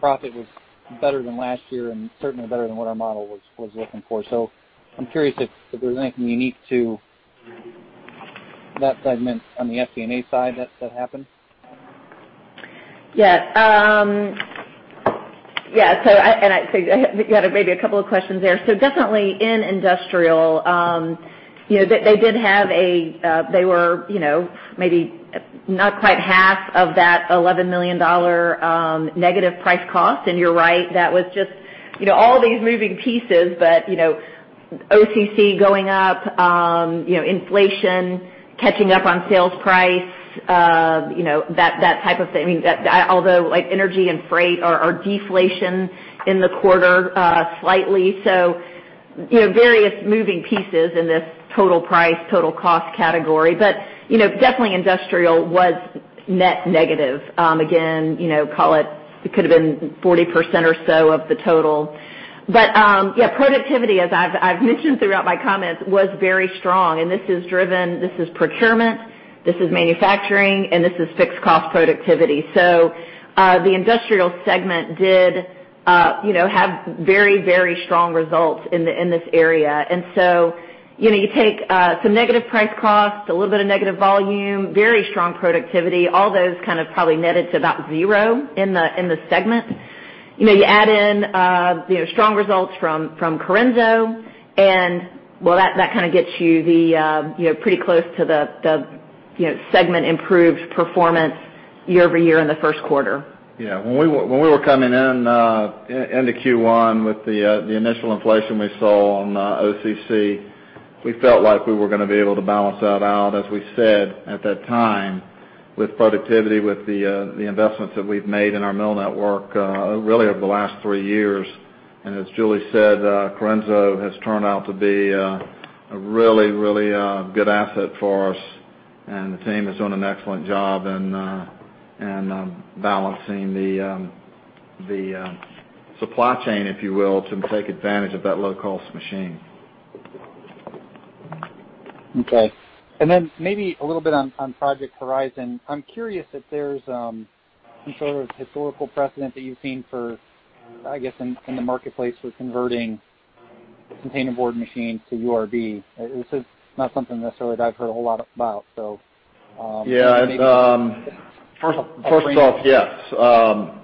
profit was better than last year and certainly better than what our model was looking for. I'm curious if there's anything unique to that segment on the SG&A side that happened? I think you had maybe a couple of questions there. Definitely in industrial, they did have They were maybe not quite half of that $11 million negative price cost. You're right, that was just all these moving pieces. OCC going up, inflation, catching up on sales price, that type of thing. Although like energy and freight are deflation in the quarter, slightly. Various moving pieces in this total price, total cost category. Definitely industrial was net negative. Again, call it could've been 40% or so of the total. Productivity, as I've mentioned throughout my comments, was very strong, and this is driven, this is procurement, this is manufacturing, and this is fixed cost productivity. The industrial segment did have very strong results in this area. You take some negative price cost, a little bit of negative volume, very strong productivity. All those kind of probably netted to about zero in the segment. You add in strong results from Corenso and, well, that kind gets you the pretty close to the segment improved performance year-over-year in the first quarter. Yeah. When we were coming in into Q1 with the initial inflation we saw on OCC, we felt like we were gonna be able to balance that out, as we said at that time, with productivity, with the investments that we've made in our mill network, really over the last three years. As Julie said, Corenso has turned out to be a really good asset for us, and the team has done an excellent job in balancing the supply chain, if you will, to take advantage of that low-cost machine. Okay. Maybe a little bit on Project Horizon. I'm curious if there's some sort of historical precedent that you've seen for, I guess, in the marketplace for converting container board machines to URB. This is not something necessarily that I've heard a whole lot about. Maybe just first off- First off, yes.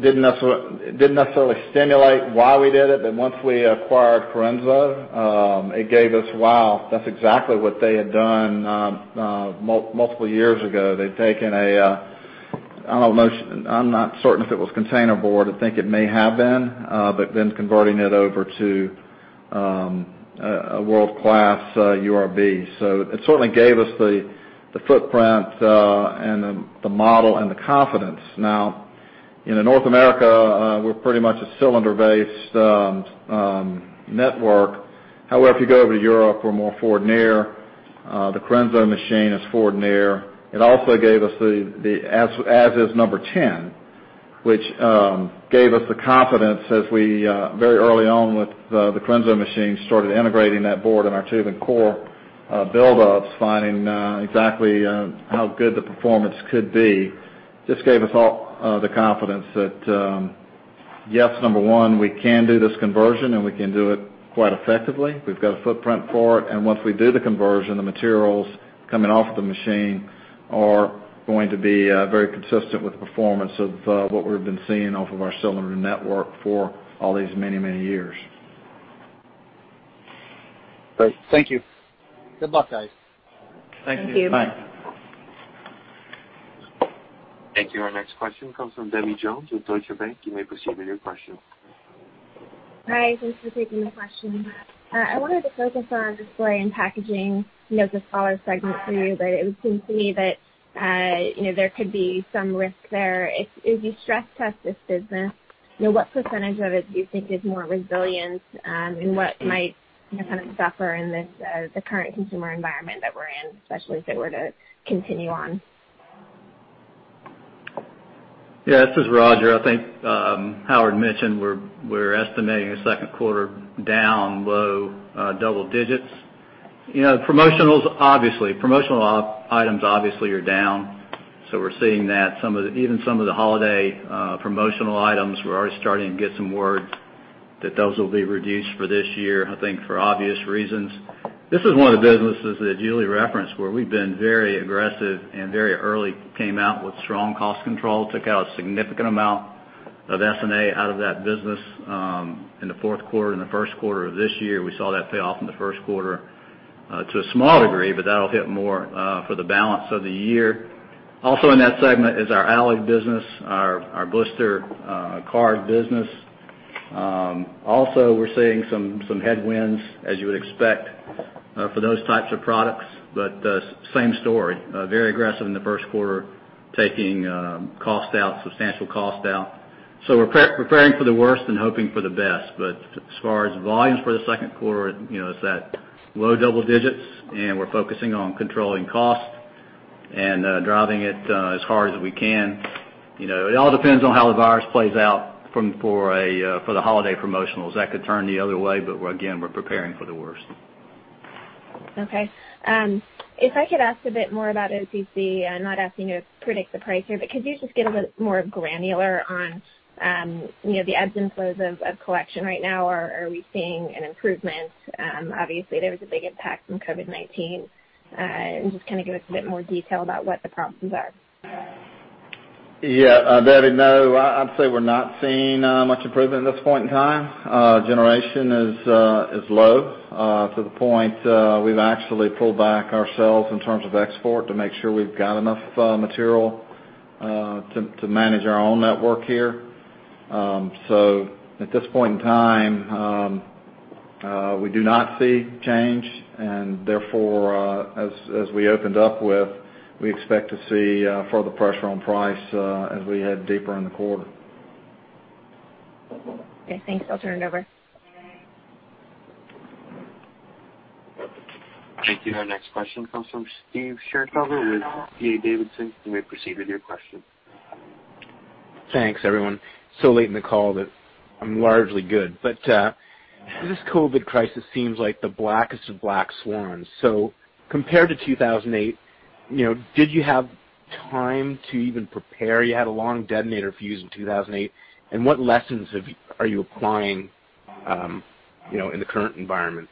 Didn't necessarily stimulate why we did it, but once we acquired Corenso, it gave us, wow, that's exactly what they had done multiple years ago. I'm not certain if it was container board. I think it may have been. Converting it over to a world-class URB. It certainly gave us the footprint and the model and the confidence. In North America, we're pretty much a cylinder-based network. If you go over to Europe, we're more Fourdrinier. The Corenso machine is Fourdrinier. It also gave us the as is number 10, which gave us the confidence as we, very early on with the Corenso machine, started integrating that board in our tube and core buildups, finding exactly how good the performance could be. Gave us all the confidence that, yes, number one, we can do this conversion, and we can do it quite effectively. We've got a footprint for it. Once we do the conversion, the materials coming off the machine are going to be very consistent with the performance of what we've been seeing off of our cylinder network for all these many years. Great. Thank you. Good luck, guys. Thank you. Thank you. Thank you. Our next question comes from Debbie Jones with Deutsche Bank. You may proceed with your question. Hi. Thanks for taking the question. I wanted to focus on Display and Packaging. The smaller segment for you, but it would seem to me that there could be some risk there. If you stress test this business, what percentage of it do you think is more resilient, and what might suffer in the current consumer environment that we're in, especially if it were to continue on? Yeah, this is Roger. I think Howard mentioned we're estimating a second quarter down low double digits. Promotional items obviously are down. We're seeing that. Even some of the holiday promotional items, we're already starting to get some words that those will be reduced for this year, I think for obvious reasons. This is one of the businesses that Julie referenced where we've been very aggressive and very early came out with strong cost control, took out a significant amount of SG&A out of that business in the fourth quarter. In the first quarter of this year, we saw that pay off in the first quarter to a small degree, but that'll hit more for the balance of the year. Also in that segment is our Alloyd business, our blister card business. Also, we're seeing some headwinds as you would expect for those types of products. Same story, very aggressive in the first quarter, taking substantial cost out. We're preparing for the worst and hoping for the best. As far as volumes for the second quarter, it's that low double digits, and we're focusing on controlling cost and driving it as hard as we can. It all depends on how the virus plays out for the holiday promotionals. That could turn the other way, but again, we're preparing for the worst. Okay. If I could ask a bit more about OCC, I'm not asking you to predict the price here, but could you just get a bit more granular on the ebbs and flows of collection right now? Are we seeing an improvement? Obviously, there was a big impact from COVID-19. Just kind of give us a bit more detail about what the problems are. Yeah. Debbie, no, I'd say we're not seeing much improvement at this point in time. Generation is low to the point we've actually pulled back ourselves in terms of export to make sure we've got enough material to manage our own network here. At this point in time, we do not see change and therefore, as we opened up with, we expect to see further pressure on price as we head deeper in the quarter. Okay, thanks. I'll turn it over. Thank you. Our next question comes from Steve Chercover with D.A. Davidson. You may proceed with your question. Thanks, everyone. Late in the call that I'm largely good. This COVID crisis seems like the blackest of black swans. Compared to 2008, did you have time to even prepare? You had a long detonator fuse in 2008. What lessons are you applying in the current environment?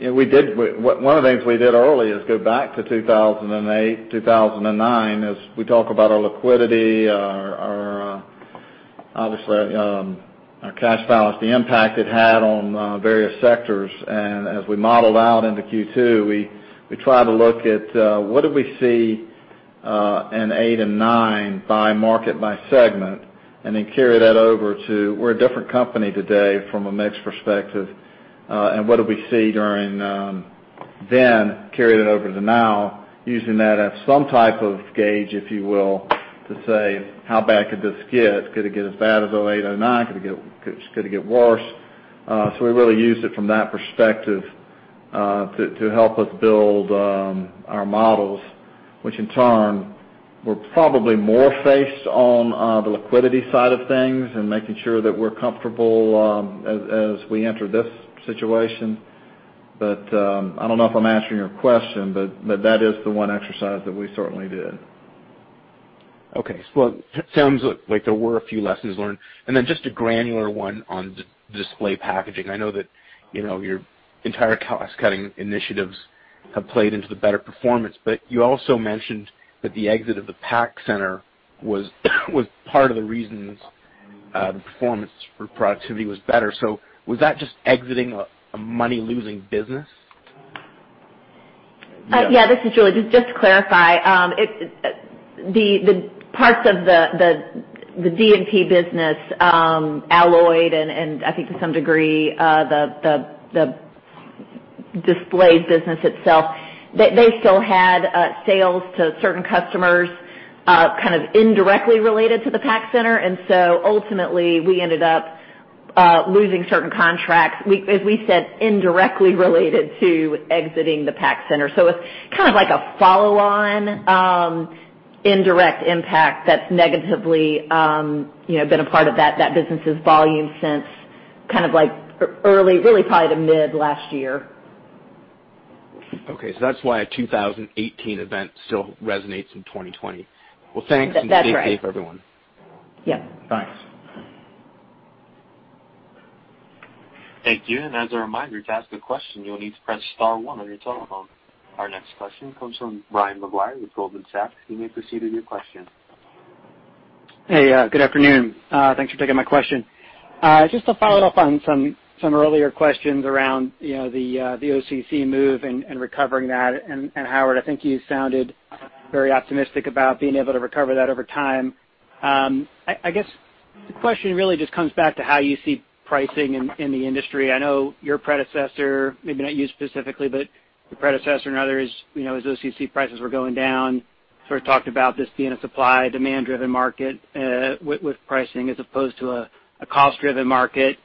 One of the things we did early is go back to 2008, 2009, as we talk about our liquidity, obviously our cash balance, the impact it had on various sectors. As we modeled out into Q2, we tried to look at what did we see in 2008 and 2009 by market, by segment, and then carried that over to. We're a different company today from a mix perspective. What did we see during then, carried it over to now using that as some type of gauge, if you will, to say, how bad could this get? Could it get as bad as 2008, 2009? Could it get worse? We really used it from that perspective to help us build our models. Which in turn, were probably more faced on the liquidity side of things and making sure that we're comfortable as we enter this situation. I don't know if I'm answering your question, but that is the one exercise that we certainly did. Okay. Sounds like there were a few lessons learned. Just a granular one on Display and Packaging. I know that your entire cost-cutting initiatives have played into the better performance. You also mentioned that the exit of the pack center was part of the reasons the performance for productivity was better. Was that just exiting a money-losing business? Yeah, this is Julie. Just to clarify, the parts of the D&P business, Alloyd and I think to some degree the Display business itself. They still had sales to certain customers kind of indirectly related to the pack center. Ultimately, we ended up losing certain contracts, as we said, indirectly related to exiting the pack center. It's kind of like a follow-on indirect impact that's negatively been a part of that business' volume since kind of early, really probably to mid last year. Okay. That's why a 2018 event still resonates in 2020. Well, thanks. That's right. Good day for everyone. Yep. Thanks. Thank you. As a reminder, to ask a question, you will need to press star one on your telephone. Our next question comes from Brian Maguire with Goldman Sachs. You may proceed with your question. Hey, good afternoon. Thanks for taking my question. Just to follow up on some earlier questions around the OCC move and recovering that. Howard, I think you sounded very optimistic about being able to recover that over time. I guess the question really just comes back to how you see pricing in the industry. I know your predecessor, maybe not you specifically, but your predecessor and others, as OCC prices were going down, sort of talked about this being a supply/demand-driven market, with pricing as opposed to a cost-driven market.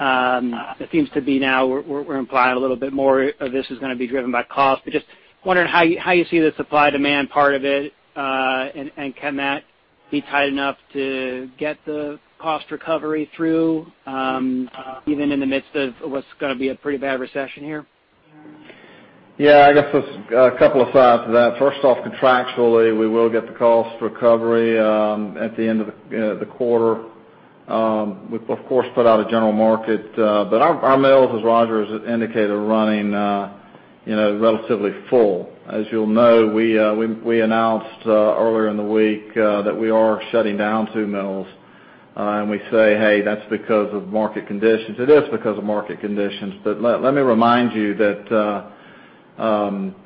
It seems to be now we're implying a little bit more of this is going to be driven by cost. Just wondering how you see the supply-demand part of it. Can that be tight enough to get the cost recovery through, even in the midst of what's going to be a pretty bad recession here? Yeah, I guess there's a couple of sides to that. First off, contractually, we will get the cost recovery at the end of the quarter. We, of course, put out a general market. Our mills, as Rodger has indicated, are running relatively full. As you'll know, we announced earlier in the week that we are shutting down two mills. We say, "Hey, that's because of market conditions." It is because of market conditions. Let me remind you that,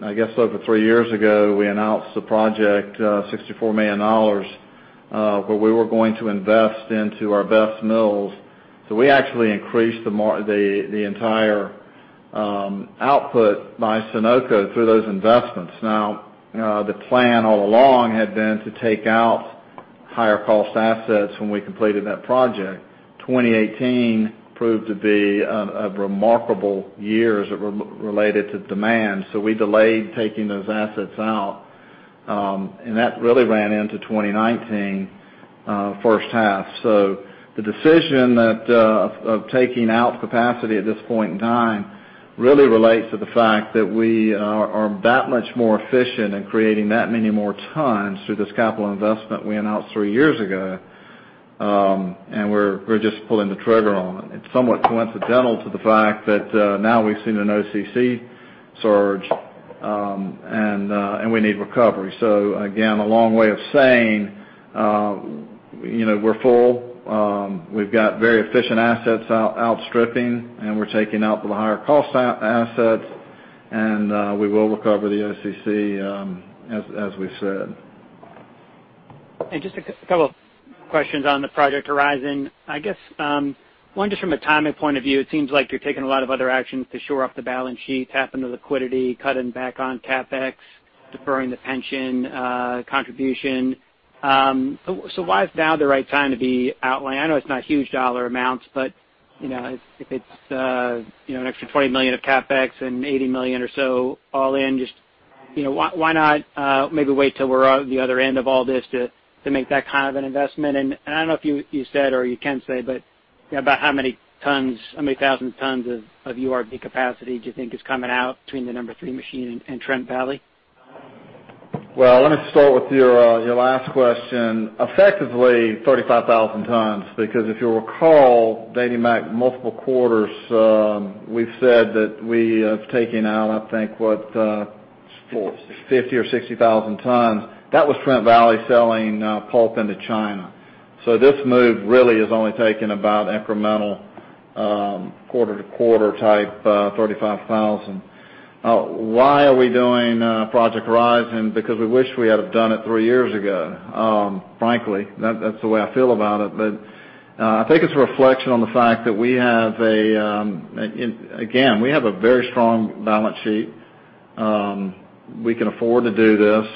I guess over three years ago, we announced a project, $64 million, where we were going to invest into our best mills. We actually increased the entire output by Sonoco through those investments. Now, the plan all along had been to take out higher cost assets when we completed that project. 2018 proved to be a remarkable year as it related to demand. We delayed taking those assets out, and that really ran into 2019 first half. The decision of taking out capacity at this point in time really relates to the fact that we are that much more efficient in creating that many more tons through this capital investment we announced three years ago. We're just pulling the trigger on it. It's somewhat coincidental to the fact that now we've seen an OCC surge, and we need recovery. Again, a long way of saying, we're full. We've got very efficient assets outstripping, and we're taking out the higher cost assets, and we will recover the OCC, as we said. Just a couple questions on the Project Horizon. I guess, one just from a timing point of view, it seems like you're taking a lot of other actions to shore up the balance sheet, tap into liquidity, cutting back on CapEx, deferring the pension contribution. Why is now the right time to be outlaying? I know it's not huge dollar amounts, but if it's an extra $20 million of CapEx and $80 million or so all in, just why not maybe wait till we're out the other end of all this to make that kind of an investment? I don't know if you said or you can say, but about how many thousands of tons of URB capacity do you think is coming out between the number three machine and Trent Valley? Well, let me start with your last question. Effectively 35,000 tons, because if you will recall, dating back multiple quarters, we have said that we have taken out, I think what, 50,000 or 60,000 tons. That was Trent Valley selling pulp into China. This move really has only taken about incremental quarter to quarter type 35,000. Why are we doing Project Horizon? Because we wish we had have done it three years ago, frankly. That is the way I feel about it. But I think it is a reflection on the fact that we have a very strong balance sheet. We can afford to do this.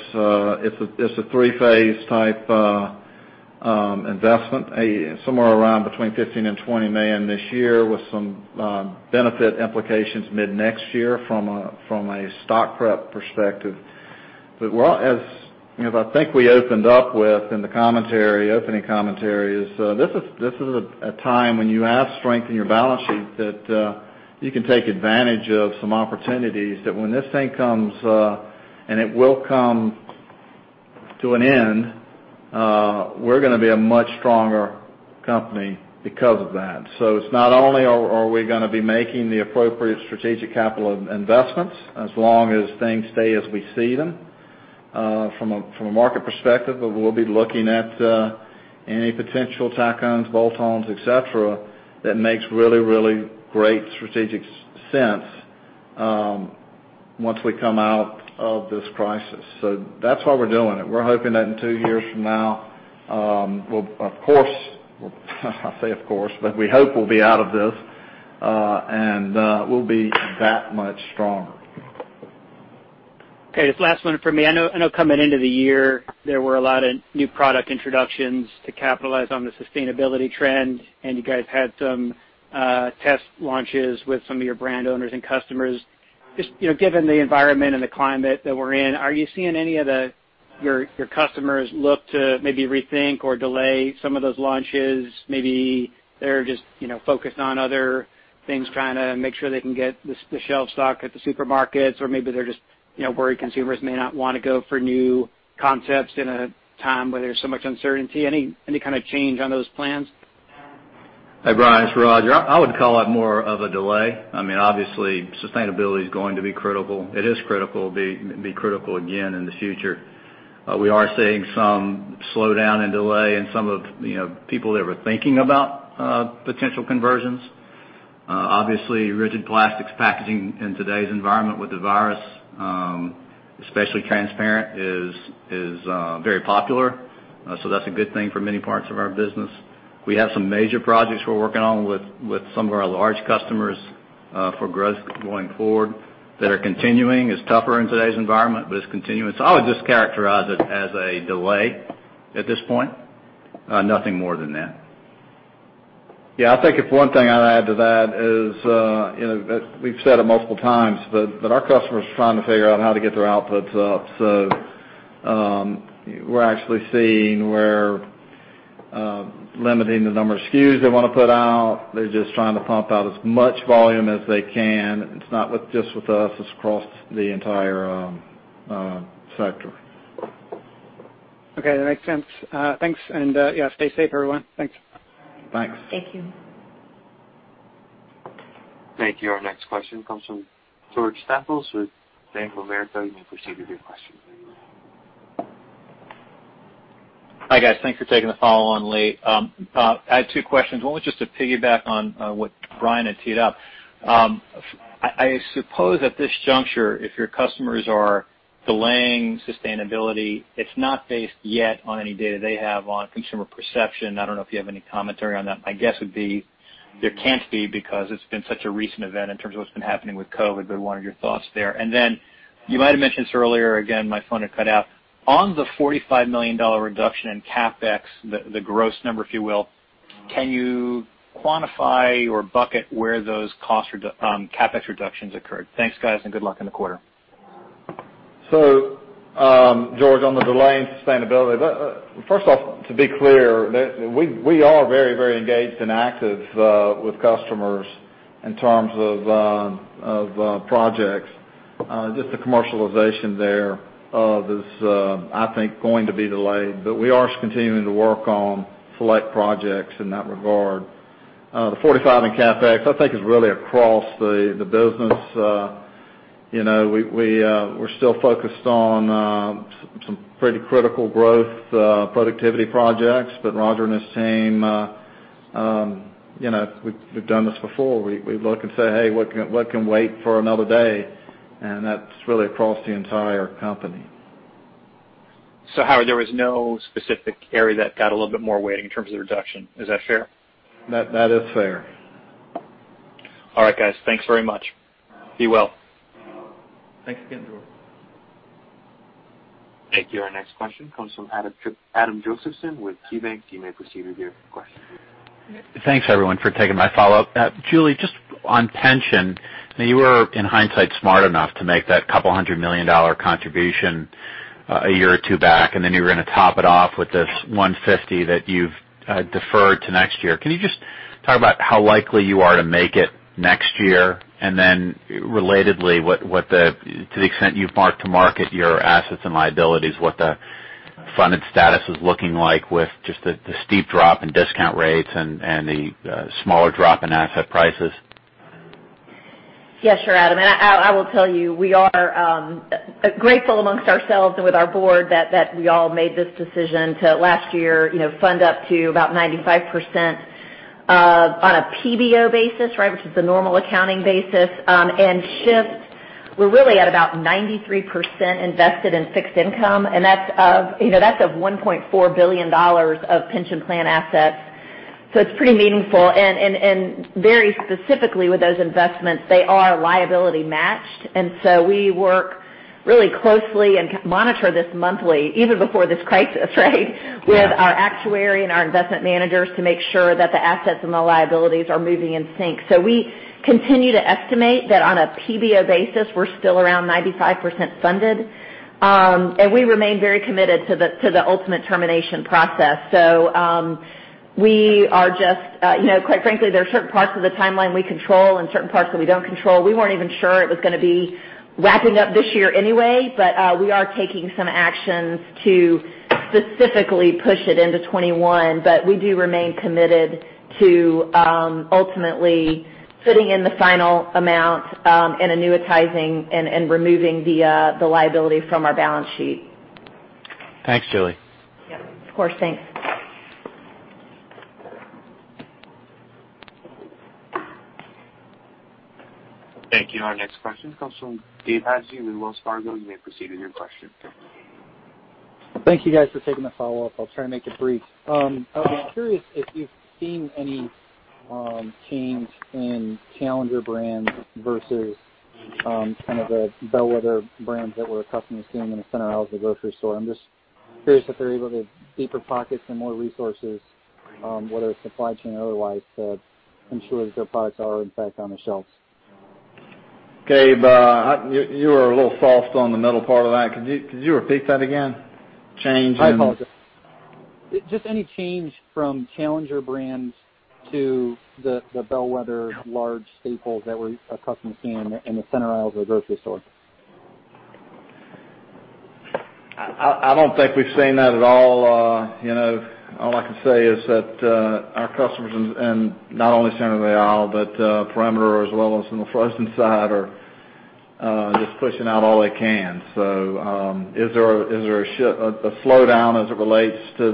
It is a three-phase type investment. Somewhere around between $15 million and $20 million this year with some benefit implications mid next year from a stock prep perspective. As I think we opened up with in the opening commentary is, this is a time when you have strength in your balance sheet that you can take advantage of some opportunities that when this thing comes, and it will come to an end, we're going to be a much stronger company because of that. It's not only are we going to be making the appropriate strategic capital investments as long as things stay as we see them from a market perspective, but we'll be looking at any potential tack-ons, bolt-ons, et cetera, that makes really, really great strategic sense once we come out of this crisis. That's why we're doing it. We're hoping that in two years from now, we'll, of course I say of course, but we hope we'll be out of this, and we'll be that much stronger. Okay, this is the last one from me. I know coming into the year, there were a lot of new product introductions to capitalize on the sustainability trend, and you guys had some test launches with some of your brand owners and customers. Just given the environment and the climate that we're in, are you seeing any of your customers look to maybe rethink or delay some of those launches? Maybe they're just focused on other things, trying to make sure they can get the shelf stock at the supermarkets, or maybe they're just worried consumers may not want to go for new concepts in a time where there's so much uncertainty. Any kind of change on those plans? Hey, Brian, it's Rodger. I would call it more of a delay. Obviously, sustainability is going to be critical. It is critical. It'll be critical again in the future. We are seeing some slowdown and delay in some of the people that were thinking about potential conversions. Obviously, rigid plastics packaging in today's environment with the virus, especially transparent, is very popular. That's a good thing for many parts of our business. We have some major projects we're working on with some of our large customers for growth going forward that are continuing. It's tougher in today's environment, but it's continuing. I would just characterize it as a delay at this point. Nothing more than that. Yeah, I think if one thing I'd add to that is, we've said it multiple times, but our customers are trying to figure out how to get their outputs up. We're actually seeing where limiting the number of SKUs they want to put out. They're just trying to pump out as much volume as they can. It's not just with us, it's across the entire sector. Okay, that makes sense. Thanks, and stay safe, everyone. Thanks. Thanks. Thank you. Thank you. Our next question comes from George Staphos with Bank of America. You may proceed with your question. Hi, guys. Thanks for taking the follow on late. I have two questions. One was just to piggyback on what Brian had teed up. I suppose at this juncture, if your customers are delaying sustainability, it's not based yet on any data they have on consumer perception. I don't know if you have any commentary on that. My guess would be there can't be because it's been such a recent event in terms of what's been happening with COVID, but what are your thoughts there? You might have mentioned this earlier, again, my phone had cut out. On the $45 million reduction in CapEx, the gross number, if you will, can you quantify or bucket where those CapEx reductions occurred? Thanks, guys, and good luck in the quarter. George, on the delay in sustainability. First off, to be clear, we are very engaged and active with customers in terms of projects. The commercialization there is, I think, going to be delayed, but we are continuing to work on select projects in that regard. The $45 in CapEx, I think is really across the business. We're still focused on some pretty critical growth productivity projects, but Rodger and his team, we've done this before. We look and say, "Hey, what can wait for another day?" That's really across the entire company. Howard, there was no specific area that got a little bit more weighting in terms of the reduction. Is that fair? That is fair. All right, guys. Thanks very much. Be well. Thanks again, George. Thank you. Our next question comes from Adam Josephson with KeyBanc. You may proceed with your question. Thanks everyone for taking my follow-up. Julie, just on pension, you were, in hindsight, smart enough to make that couple of hundred million dollar contribution a year or two back, and then you were going to top it off with this $150 that you've deferred to next year. Can you just talk about how likely you are to make it next year? Relatedly, to the extent you've mark-to-market your assets and liabilities, what the funded status is looking like with just the steep drop in discount rates and the smaller drop in asset prices? Sure, Adam, I will tell you, we are grateful amongst ourselves and with our board that we all made this decision to, last year, fund up to about 95% on a PBO basis, which is the normal accounting basis, and shift. We're really at about 93% invested in fixed income, that's of $1.4 billion of pension plan assets. It's pretty meaningful, and very specifically with those investments, they are liability matched. We work really closely and monitor this monthly, even before this crisis, with our actuary and our investment managers to make sure that the assets and the liabilities are moving in sync. We continue to estimate that on a PBO basis, we're still around 95% funded. We remain very committed to the ultimate termination process. Quite frankly, there are certain parts of the timeline we control and certain parts that we don't control. We weren't even sure it was going to be wrapping up this year anyway, but we are taking some actions to specifically push it into 2021. We do remain committed to ultimately fitting in the final amount and annuitizing and removing the liability from our balance sheet. Thanks, Julie. Yeah. Of course. Thanks. Thank you. Our next question comes from Gabe Hajde with Wells Fargo. You may proceed with your question. Thank you guys for taking the follow-up. I'll try and make it brief. I'm curious if you've seen any change in challenger brands versus the bellwether brands that we're accustomed to seeing in the center aisle of the grocery store. I'm just curious if they're able to deeper pockets and more resources, whether it's supply chain or otherwise, to ensure that their products are in fact on the shelves. Gabe, you were a little soft on the middle part of that. Could you repeat that again? I apologize. Just any change from challenger brands to the bellwether large staples that we're accustomed to seeing in the center aisles of the grocery store. I don't think we've seen that at all. All I can say is that our customers in not only center of the aisle, but perimeter as well as in the frozen side are just pushing out all they can. Is there a slowdown as it relates to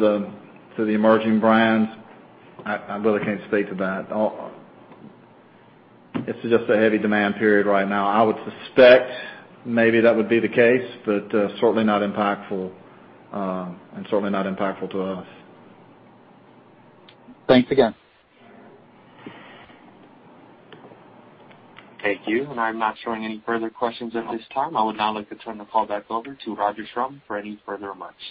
the emerging brands? I really can't speak to that. It's just a heavy demand period right now. I would suspect maybe that would be the case, but certainly not impactful, and certainly not impactful to us. Thanks again. Thank you. I'm not showing any further questions at this time. I would now like to turn the call back over to Roger Schrum for any further remarks.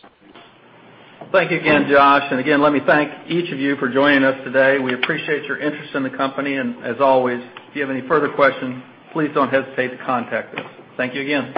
Thank you again, Josh, and again, let me thank each of you for joining us today. We appreciate your interest in the company, and as always, if you have any further questions, please don't hesitate to contact us. Thank you again.